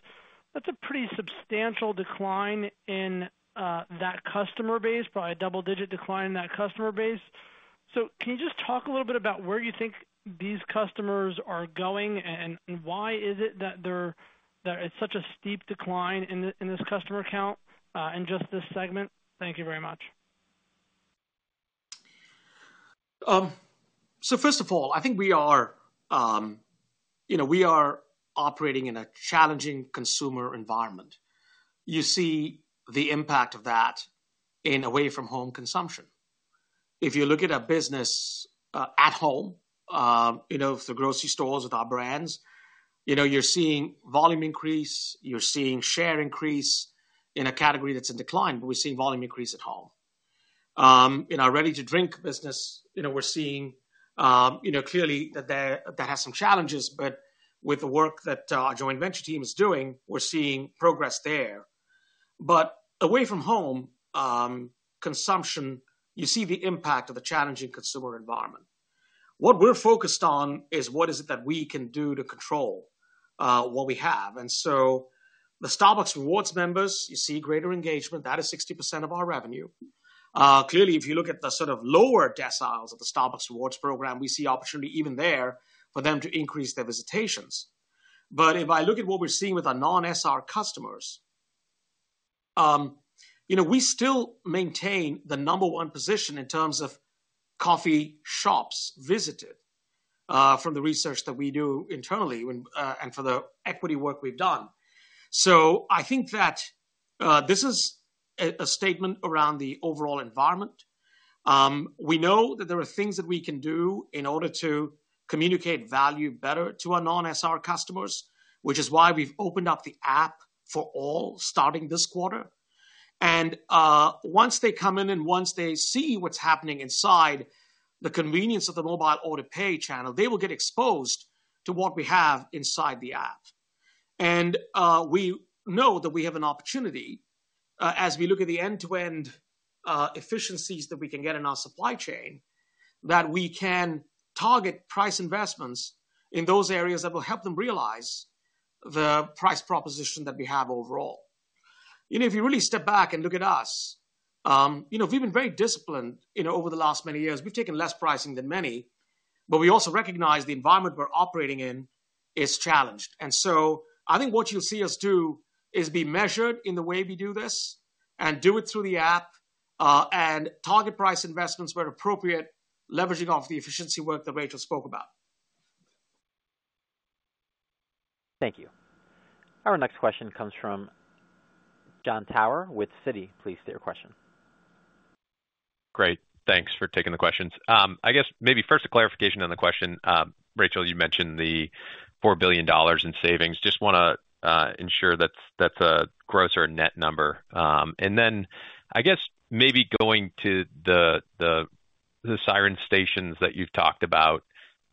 That's a pretty substantial decline in that customer base, probably a double-digit decline in that customer base. So can you just talk a little bit about where you think these customers are going and why is it that there is such a steep decline in this customer count in just this segment? Thank you very much. So first of all, I think we are operating in a challenging consumer environment. You see the impact of that in away-from-home consumption. If you look at our business at home, the grocery stores with our brands, you're seeing volume increase. You're seeing share increase in a category that's in decline, but we're seeing volume increase at home. In our ready-to-drink business, we're seeing clearly that that has some challenges. But with the work that our joint venture team is doing, we're seeing progress there. But away from home consumption, you see the impact of the challenging consumer environment. What we're focused on is what is it that we can do to control what we have. And so the Starbucks Rewards members, you see greater engagement. That is 60% of our revenue. Clearly, if you look at the sort of lower deciles of the Starbucks Rewards program, we see opportunity even there for them to increase their visitations. But if I look at what we're seeing with our non-SR customers, we still maintain the number one position in terms of coffee shops visited from the research that we do internally and for the equity work we've done. So I think that this is a statement around the overall environment. We know that there are things that we can do in order to communicate value better to our non-SR customers, which is why we've opened up the app for all starting this quarter. Once they come in and once they see what's happening inside the convenience of the Mobile Order and Pay channel, they will get exposed to what we have inside the app. We know that we have an opportunity, as we look at the end-to-end efficiencies that we can get in our supply chain, that we can target price investments in those areas that will help them realize the price proposition that we have overall. If you really step back and look at us, we've been very disciplined over the last many years. We've taken less pricing than many. But we also recognize the environment we're operating in is challenged. And so I think what you'll see us do is be measured in the way we do this and do it through the app and target price investments where appropriate, leveraging off the efficiency work that Rachel spoke about. Thank you. Our next question comes from Jon Tower with Citi. Please state your question. Great. Thanks for taking the questions. I guess maybe first a clarification on the question. Rachel, you mentioned the $4 billion in savings. Just want to ensure that's a gross or a net number. And then I guess maybe going to the Siren stations that you've talked about,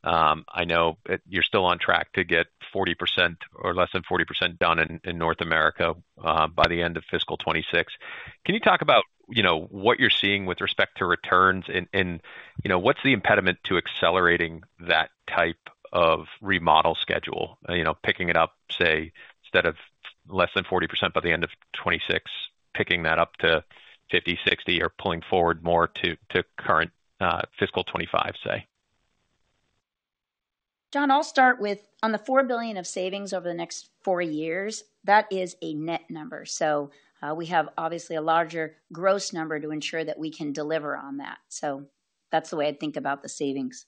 I know you're still on track to get 40% or less than 40% done in North America by the end of fiscal 2026. Can you talk about what you're seeing with respect to returns and what's the impediment to accelerating that type of remodel schedule, picking it up, say, instead of less than 40% by the end of 2026, picking that up to 50, 60, or pulling forward more to current fiscal 2025, say? John, I'll start with, on the $4 billion of savings over the next four years, that is a net number. So we have obviously a larger gross number to ensure that we can deliver on that. So that's the way I think about the savings.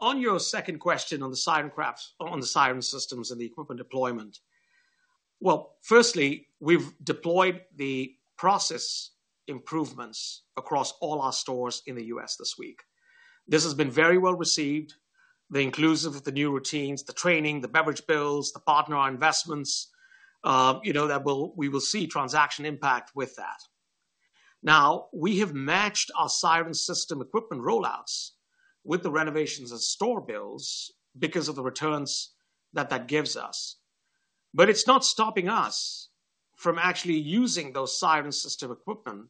On your second question on the Siren systems and the equipment deployment, well, firstly, we've deployed the process improvements across all our stores in the U.S. this week. This has been very well received, including the new routines, the training, the beverage builds, the partner investments. We will see transaction impact with that. Now, we have matched our Siren system equipment rollouts with the renovations and store builds because of the returns that that gives us. But it's not stopping us from actually using those Siren system equipment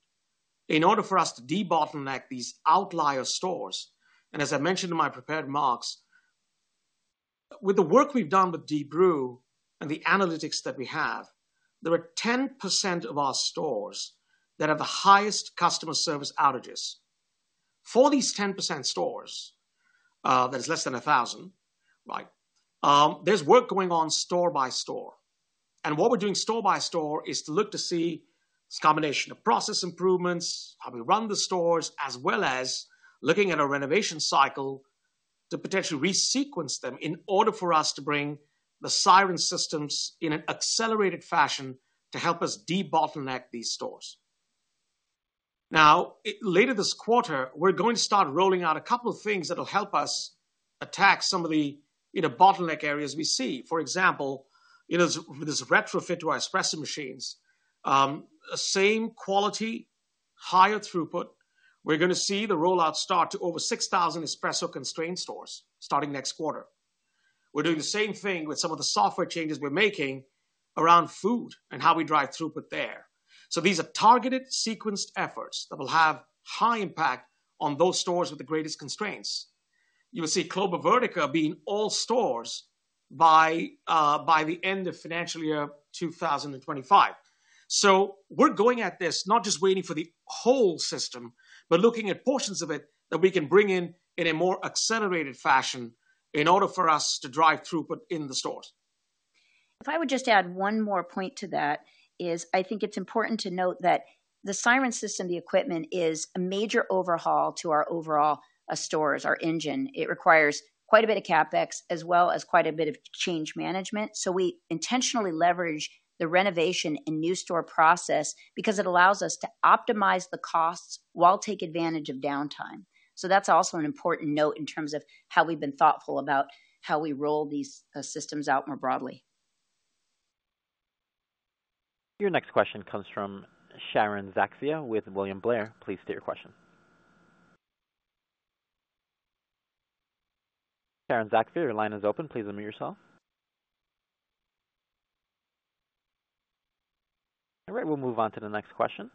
in order for us to de-bottleneck these outlier stores. And as I mentioned in my prepared remarks, with the work we've done with Deep Brew and the analytics that we have, there are 10% of our stores that have the highest customer service outages. For these 10% stores, that is less than 1,000, right, there's work going on store by store. And what we're doing store by store is to look to see a combination of process improvements, how we run the stores, as well as looking at a renovation cycle to potentially re-sequence them in order for us to bring the Siren systems in an accelerated fashion to help us de-bottleneck these stores. Now, later this quarter, we're going to start rolling out a couple of things that will help us attack some of the bottleneck areas we see. For example, with this retrofit to our espresso machines, same quality, higher throughput. We're going to see the rollout start to over 6,000 espresso constrained stores starting next quarter. We're doing the same thing with some of the software changes we're making around food and how we drive throughput there. So these are targeted sequenced efforts that will have high impact on those stores with the greatest constraints. You will see Clover Vertica being all stores by the end of financial year 2025. So we're going at this, not just waiting for the whole system, but looking at portions of it that we can bring in in a more accelerated fashion in order for us to drive throughput in the stores. If I would just add one more point to that is I think it's important to note that the Siren system, the equipment, is a major overhaul to our overall stores, our engine. It requires quite a bit of CapEx as well as quite a bit of change management. So we intentionally leverage the renovation and new store process because it allows us to optimize the costs while take advantage of downtime. So that's also an important note in terms of how we've been thoughtful about how we roll these systems out more broadly. Your next question comes from Sharon Zackfia with William Blair. Please state your question. Sharon Zackfia, your line is open. Please unmute yourself. All right. We'll move on to the next question.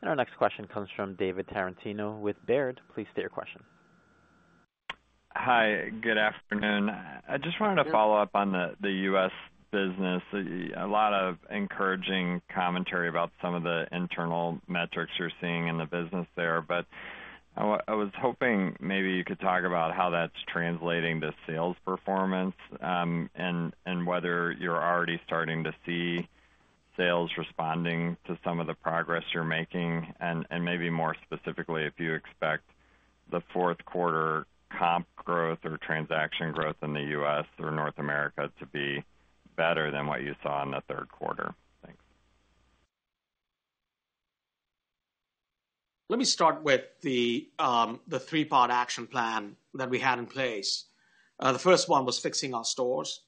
And our next question comes from David Tarantino with Baird. Please state your question. Hi. Good afternoon. I just wanted to follow up on the U.S. business. A lot of encouraging commentary about some of the internal metrics you're seeing in the business there. But I was hoping maybe you could talk about how that's translating to sales performance and whether you're already starting to see sales responding to some of the progress you're making. And maybe more specifically, if you expect the fourth quarter comp growth or transaction growth in the U.S. or North America to be better than what you saw in the third quarter. Thanks. Let me start with the three-part action plan that we had in place. The first one was fixing our stores.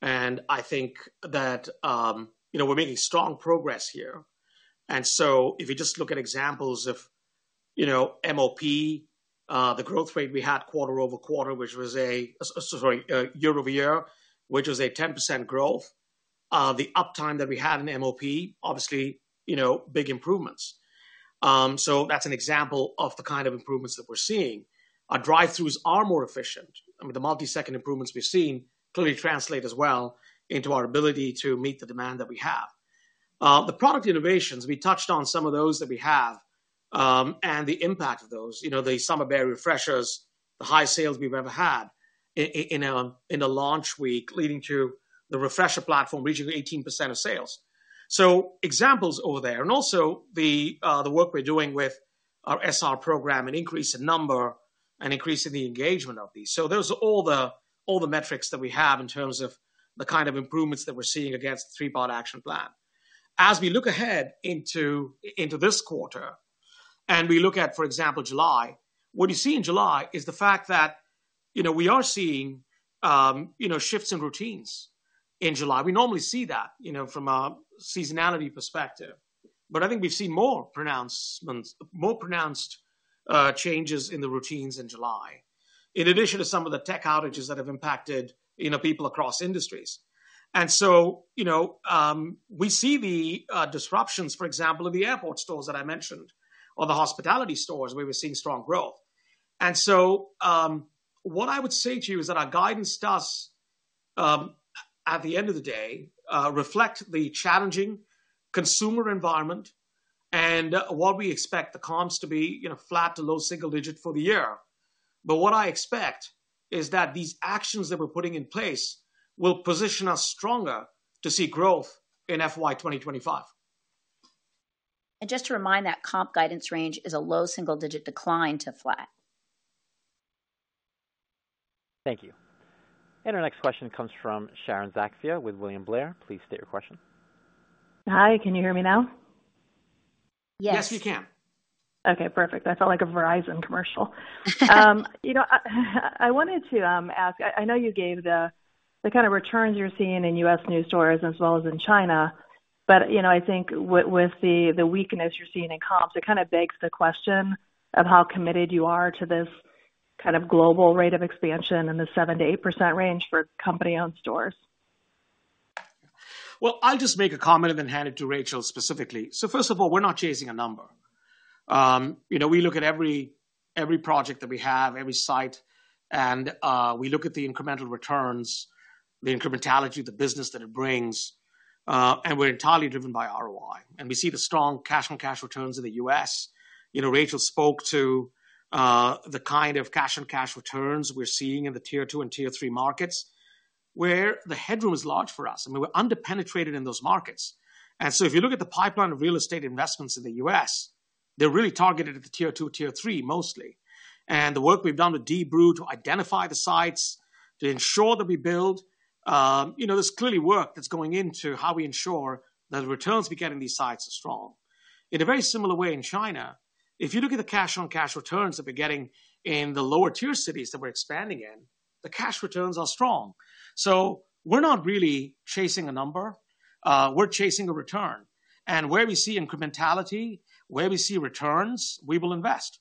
I think that we're making strong progress here. So if you just look at examples of MOP, the growth rate we had quarter-over-quarter, which was a year-over-year, which was a 10% growth, the uptime that we had in MOP, obviously big improvements. So that's an example of the kind of improvements that we're seeing. Our drive-throughs are more efficient. I mean, the multi-second improvements we've seen clearly translate as well into our ability to meet the demand that we have. The product innovations, we touched on some of those that we have and the impact of those, the Summer-Berry Refreshers, the highest sales we've ever had in a launch week leading to the Refreshers platform reaching 18% of sales. So examples over there. And also the work we're doing with our SR program and increase in number and increase in the engagement of these. So those are all the metrics that we have in terms of the kind of improvements that we're seeing against the three-part action plan. As we look ahead into this quarter and we look at, for example, July, what you see in July is the fact that we are seeing shifts in routines in July. We normally see that from a seasonality perspective. But I think we've seen more pronounced changes in the routines in July in addition to some of the tech outages that have impacted people across industries. And so we see the disruptions, for example, of the airport stores that I mentioned or the hospitality stores where we're seeing strong growth. And so what I would say to you is that our guidance does, at the end of the day, reflect the challenging consumer environment and what we expect the comps to be flat to low single-digit for the year. But what I expect is that these actions that we're putting in place will position us stronger to see growth in FY 2025. And just to remind that comp guidance range is a low single-digit decline to flat. Thank you. And our next question comes from Sharon Zackfia with William Blair. Please state your question. Hi. Can you hear me now? Yes. Yes, we can. Okay. Perfect. I felt like a Verizon commercial. I wanted to ask, I know you gave the kind of returns you're seeing in U.S. new stores as well as in China, but I think with the weakness you're seeing in comps, it kind of begs the question of how committed you are to this kind of global rate of expansion in the 7%-8% range for company-owned stores. Well, I'll just make a comment and then hand it to Rachel specifically. So first of all, we're not chasing a number. We look at every project that we have, every site, and we look at the incremental returns, the incrementality, the business that it brings, and we're entirely driven by ROI. And we see the strong cash-on-cash returns in the U.S. Rachel spoke to the kind of cash-on-cash returns we're seeing in the tier two and tier three markets where the headroom is large for us. I mean, we're underpenetrated in those markets. And so if you look at the pipeline of real estate investments in the U.S., they're really targeted at the tier two, tier three mostly. And the work we've done with Deep Brew to identify the sites, to ensure that we build, there's clearly work that's going into how we ensure that the returns we get in these sites are strong. In a very similar way in China, if you look at the cash-on-cash returns that we're getting in the lower-tier cities that we're expanding in, the cash returns are strong. So we're not really chasing a number. We're chasing a return. And where we see incrementality, where we see returns, we will invest.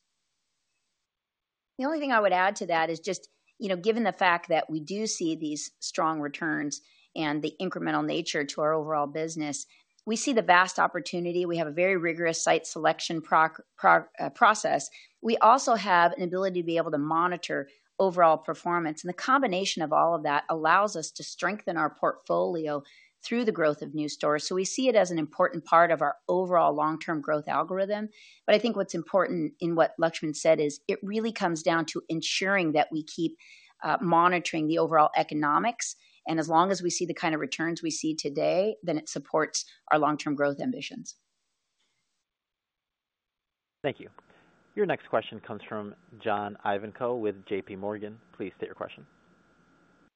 The only thing I would add to that is just given the fact that we do see these strong returns and the incremental nature to our overall business, we see the vast opportunity. We have a very rigorous site selection process. We also have an ability to be able to monitor overall performance. And the combination of all of that allows us to strengthen our portfolio through the growth of new stores. So we see it as an important part of our overall long-term growth algorithm. But I think what's important in what Laxman said is it really comes down to ensuring that we keep monitoring the overall economics. And as long as we see the kind of returns we see today, then it supports our long-term growth ambitions. Thank you. Your next question comes from John Ivankoe with JPMorgan. Please state your question.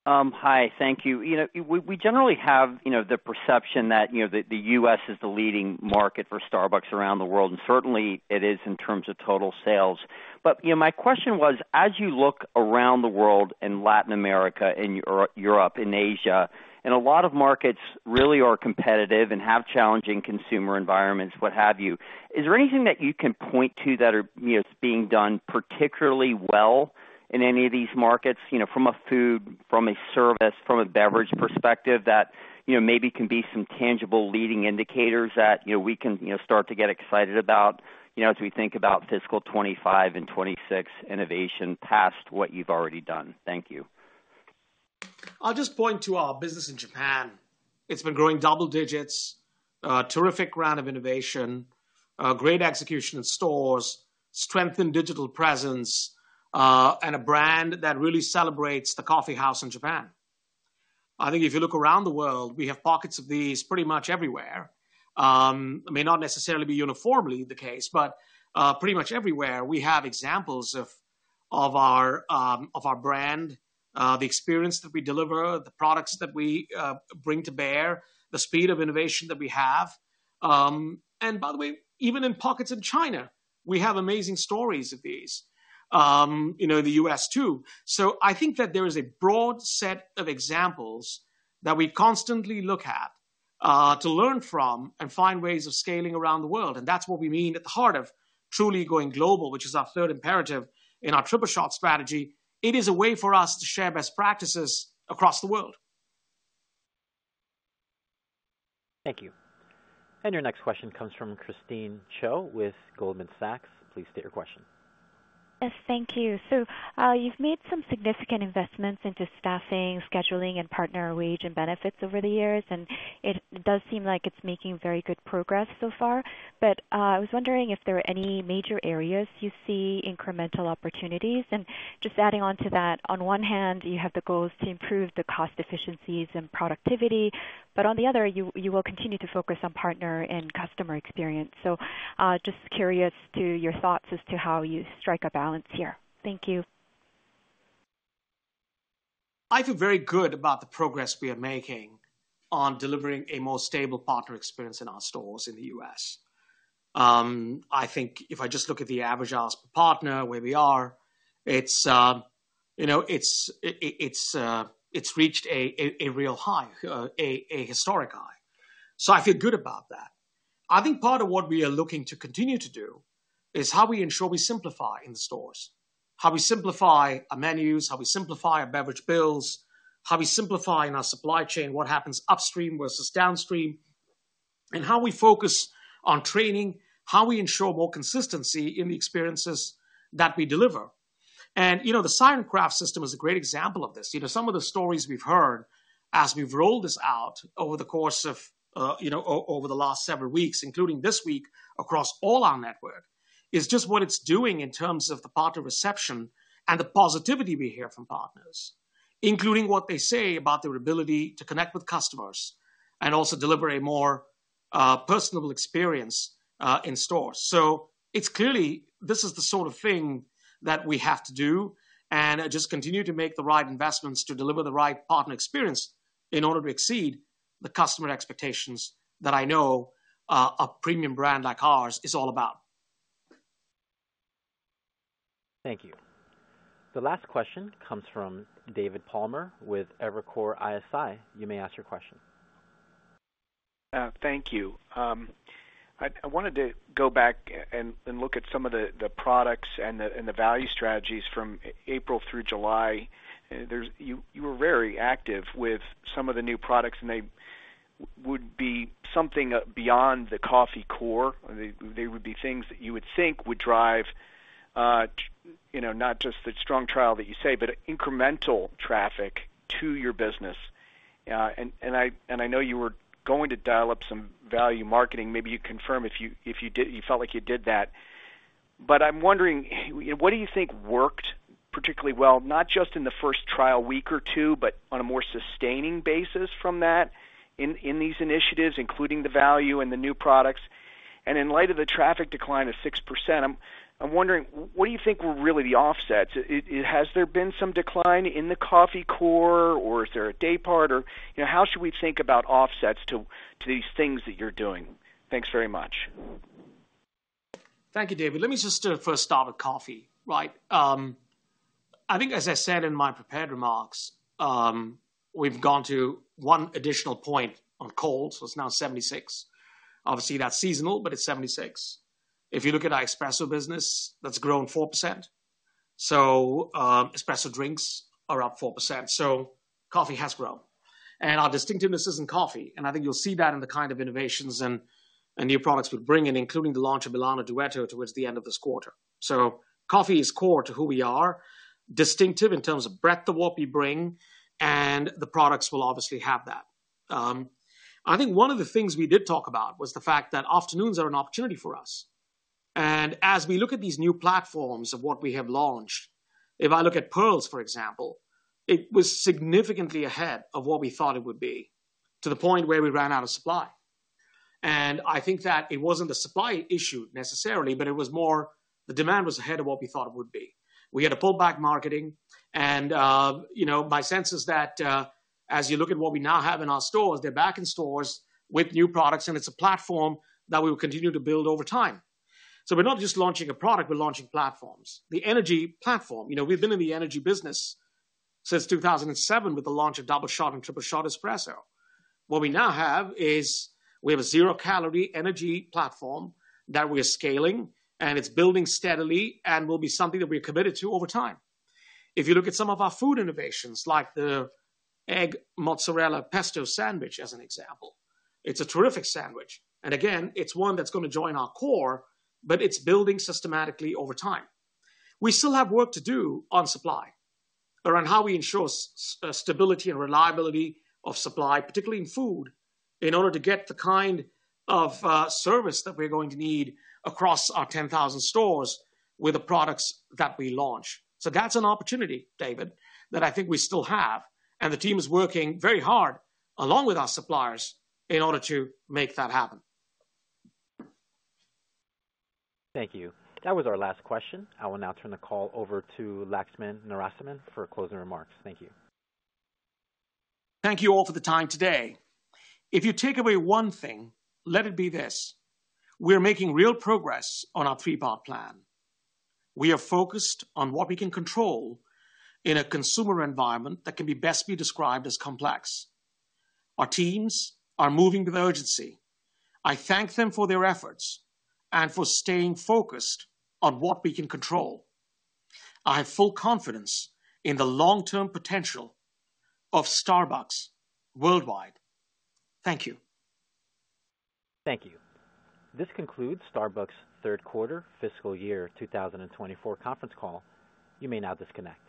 Hi. Thank you. We generally have the perception that the U.S. is the leading market for Starbucks around the world. Certainly, it is in terms of total sales. But my question was, as you look around the world in Latin America, in Europe, in Asia, and a lot of markets really are competitive and have challenging consumer environments, what have you, is there anything that you can point to that is being done particularly well in any of these markets from a food, from a service, from a beverage perspective that maybe can be some tangible leading indicators that we can start to get excited about as we think about fiscal 2025 and 2026 innovation past what you've already done? Thank you. I'll just point to our business in Japan. It's been growing double digits, a terrific round of innovation, great execution in stores, strengthened digital presence, and a brand that really celebrates the coffee house in Japan. I think if you look around the world, we have pockets of these pretty much everywhere. It may not necessarily be uniformly the case, but pretty much everywhere we have examples of our brand, the experience that we deliver, the products that we bring to bear, the speed of innovation that we have. And by the way, even in pockets in China, we have amazing stories of these in the U.S. too. So I think that there is a broad set of examples that we constantly look at to learn from and find ways of scaling around the world. And that's what we mean at the heart of truly going global, which is our third imperative in our Tripleshot strategy. It is a way for us to share best practices across the world. Thank you. Your next question comes from Christine Cho with Goldman Sachs. Please state your question. Thank you. So you've made some significant investments into staffing, scheduling, and partner wage and benefits over the years. And it does seem like it's making very good progress so far. But I was wondering if there are any major areas you see incremental opportunities. And just adding on to that, on one hand, you have the goals to improve the cost efficiencies and productivity. But on the other, you will continue to focus on partner and customer experience. So just curious to your thoughts as to how you strike a balance here. Thank you. I feel very good about the progress we are making on delivering a more stable partner experience in our stores in the U.S. I think if I just look at the average hour per partner where we are, it's reached a real high, a historic high. So I feel good about that. I think part of what we are looking to continue to do is how we ensure we simplify in the stores, how we simplify our menus, how we simplify our beverage builds, how we simplify in our supply chain, what happens upstream versus downstream, and how we focus on training, how we ensure more consistency in the experiences that we deliver. The Siren Craft system is a great example of this. Some of the stories we've heard as we've rolled this out over the course of over the last several weeks, including this week across all our network, is just what it's doing in terms of the partner reception and the positivity we hear from partners, including what they say about their ability to connect with customers and also deliver a more personable experience in stores. It's clearly this is the sort of thing that we have to do and just continue to make the right investments to deliver the right partner experience in order to exceed the customer expectations that I know a premium brand like ours is all about. Thank you. The last question comes from David Palmer with Evercore ISI. You may ask your question. Thank you. I wanted to go back and look at some of the products and the value strategies from April through July. You were very active with some of the new products, and they would be something beyond the coffee core. They would be things that you would think would drive not just the strong trial that you say, but incremental traffic to your business. And I know you were going to dial up some value marketing. Maybe you confirm if you felt like you did that. But I'm wondering, what do you think worked particularly well, not just in the first trial week or two, but on a more sustaining basis from that in these initiatives, including the value and the new products? And in light of the traffic decline of 6%, I'm wondering, what do you think were really the offsets? Has there been some decline in the coffee core, or is there a day part? Or how should we think about offsets to these things that you're doing? Thanks very much. Thank you, David. Let me just first start with coffee, right? I think, as I said in my prepared remarks, we've gone to one additional point on cold. It's now 76%. Obviously, that's seasonal, but it's 76%. If you look at our espresso business, that's grown 4%. Espresso drinks are up 4%. Coffee has grown. Our distinctiveness is in coffee. I think you'll see that in the kind of innovations and new products we bring, including the launch of Milano Duetto towards the end of this quarter. Coffee is core to who we are, distinctive in terms of breadth of what we bring, and the products will obviously have that. I think one of the things we did talk about was the fact that afternoons are an opportunity for us. As we look at these new platforms of what we have launched, if I look at Pearls, for example, it was significantly ahead of what we thought it would be to the point where we ran out of supply. I think that it wasn't the supply issue necessarily, but it was more the demand was ahead of what we thought it would be. We had a pullback marketing. My sense is that as you look at what we now have in our stores, they're back in stores with new products, and it's a platform that we will continue to build over time. So we're not just launching a product. We're launching platforms. The energy platform. We've been in the energy business since 2007 with the launch of Doubleshot and Tripleshot espresso. What we now have is we have a zero-calorie energy platform that we are scaling, and it's building steadily and will be something that we are committed to over time. If you look at some of our food innovations, like the Egg, Mozzarella Pesto Sandwich as an example, it's a terrific sandwich. And again, it's one that's going to join our core, but it's building systematically over time. We still have work to do on supply around how we ensure stability and reliability of supply, particularly in food, in order to get the kind of service that we're going to need across our 10,000 stores with the products that we launch. So that's an opportunity, David, that I think we still have. And the team is working very hard along with our suppliers in order to make that happen. Thank you. That was our last question. I will now turn the call over to Laxman and Rachel for closing remarks. Thank you. Thank you all for the time today. If you take away one thing, let it be this: we are making real progress on our three-part plan. We are focused on what we can control in a consumer environment that can best be described as complex. Our teams are moving with urgency. I thank them for their efforts and for staying focused on what we can control. I have full confidence in the long-term potential of Starbucks worldwide. Thank you. Thank you. This concludes Starbucks third quarter fiscal year 2024 conference call. You may now disconnect.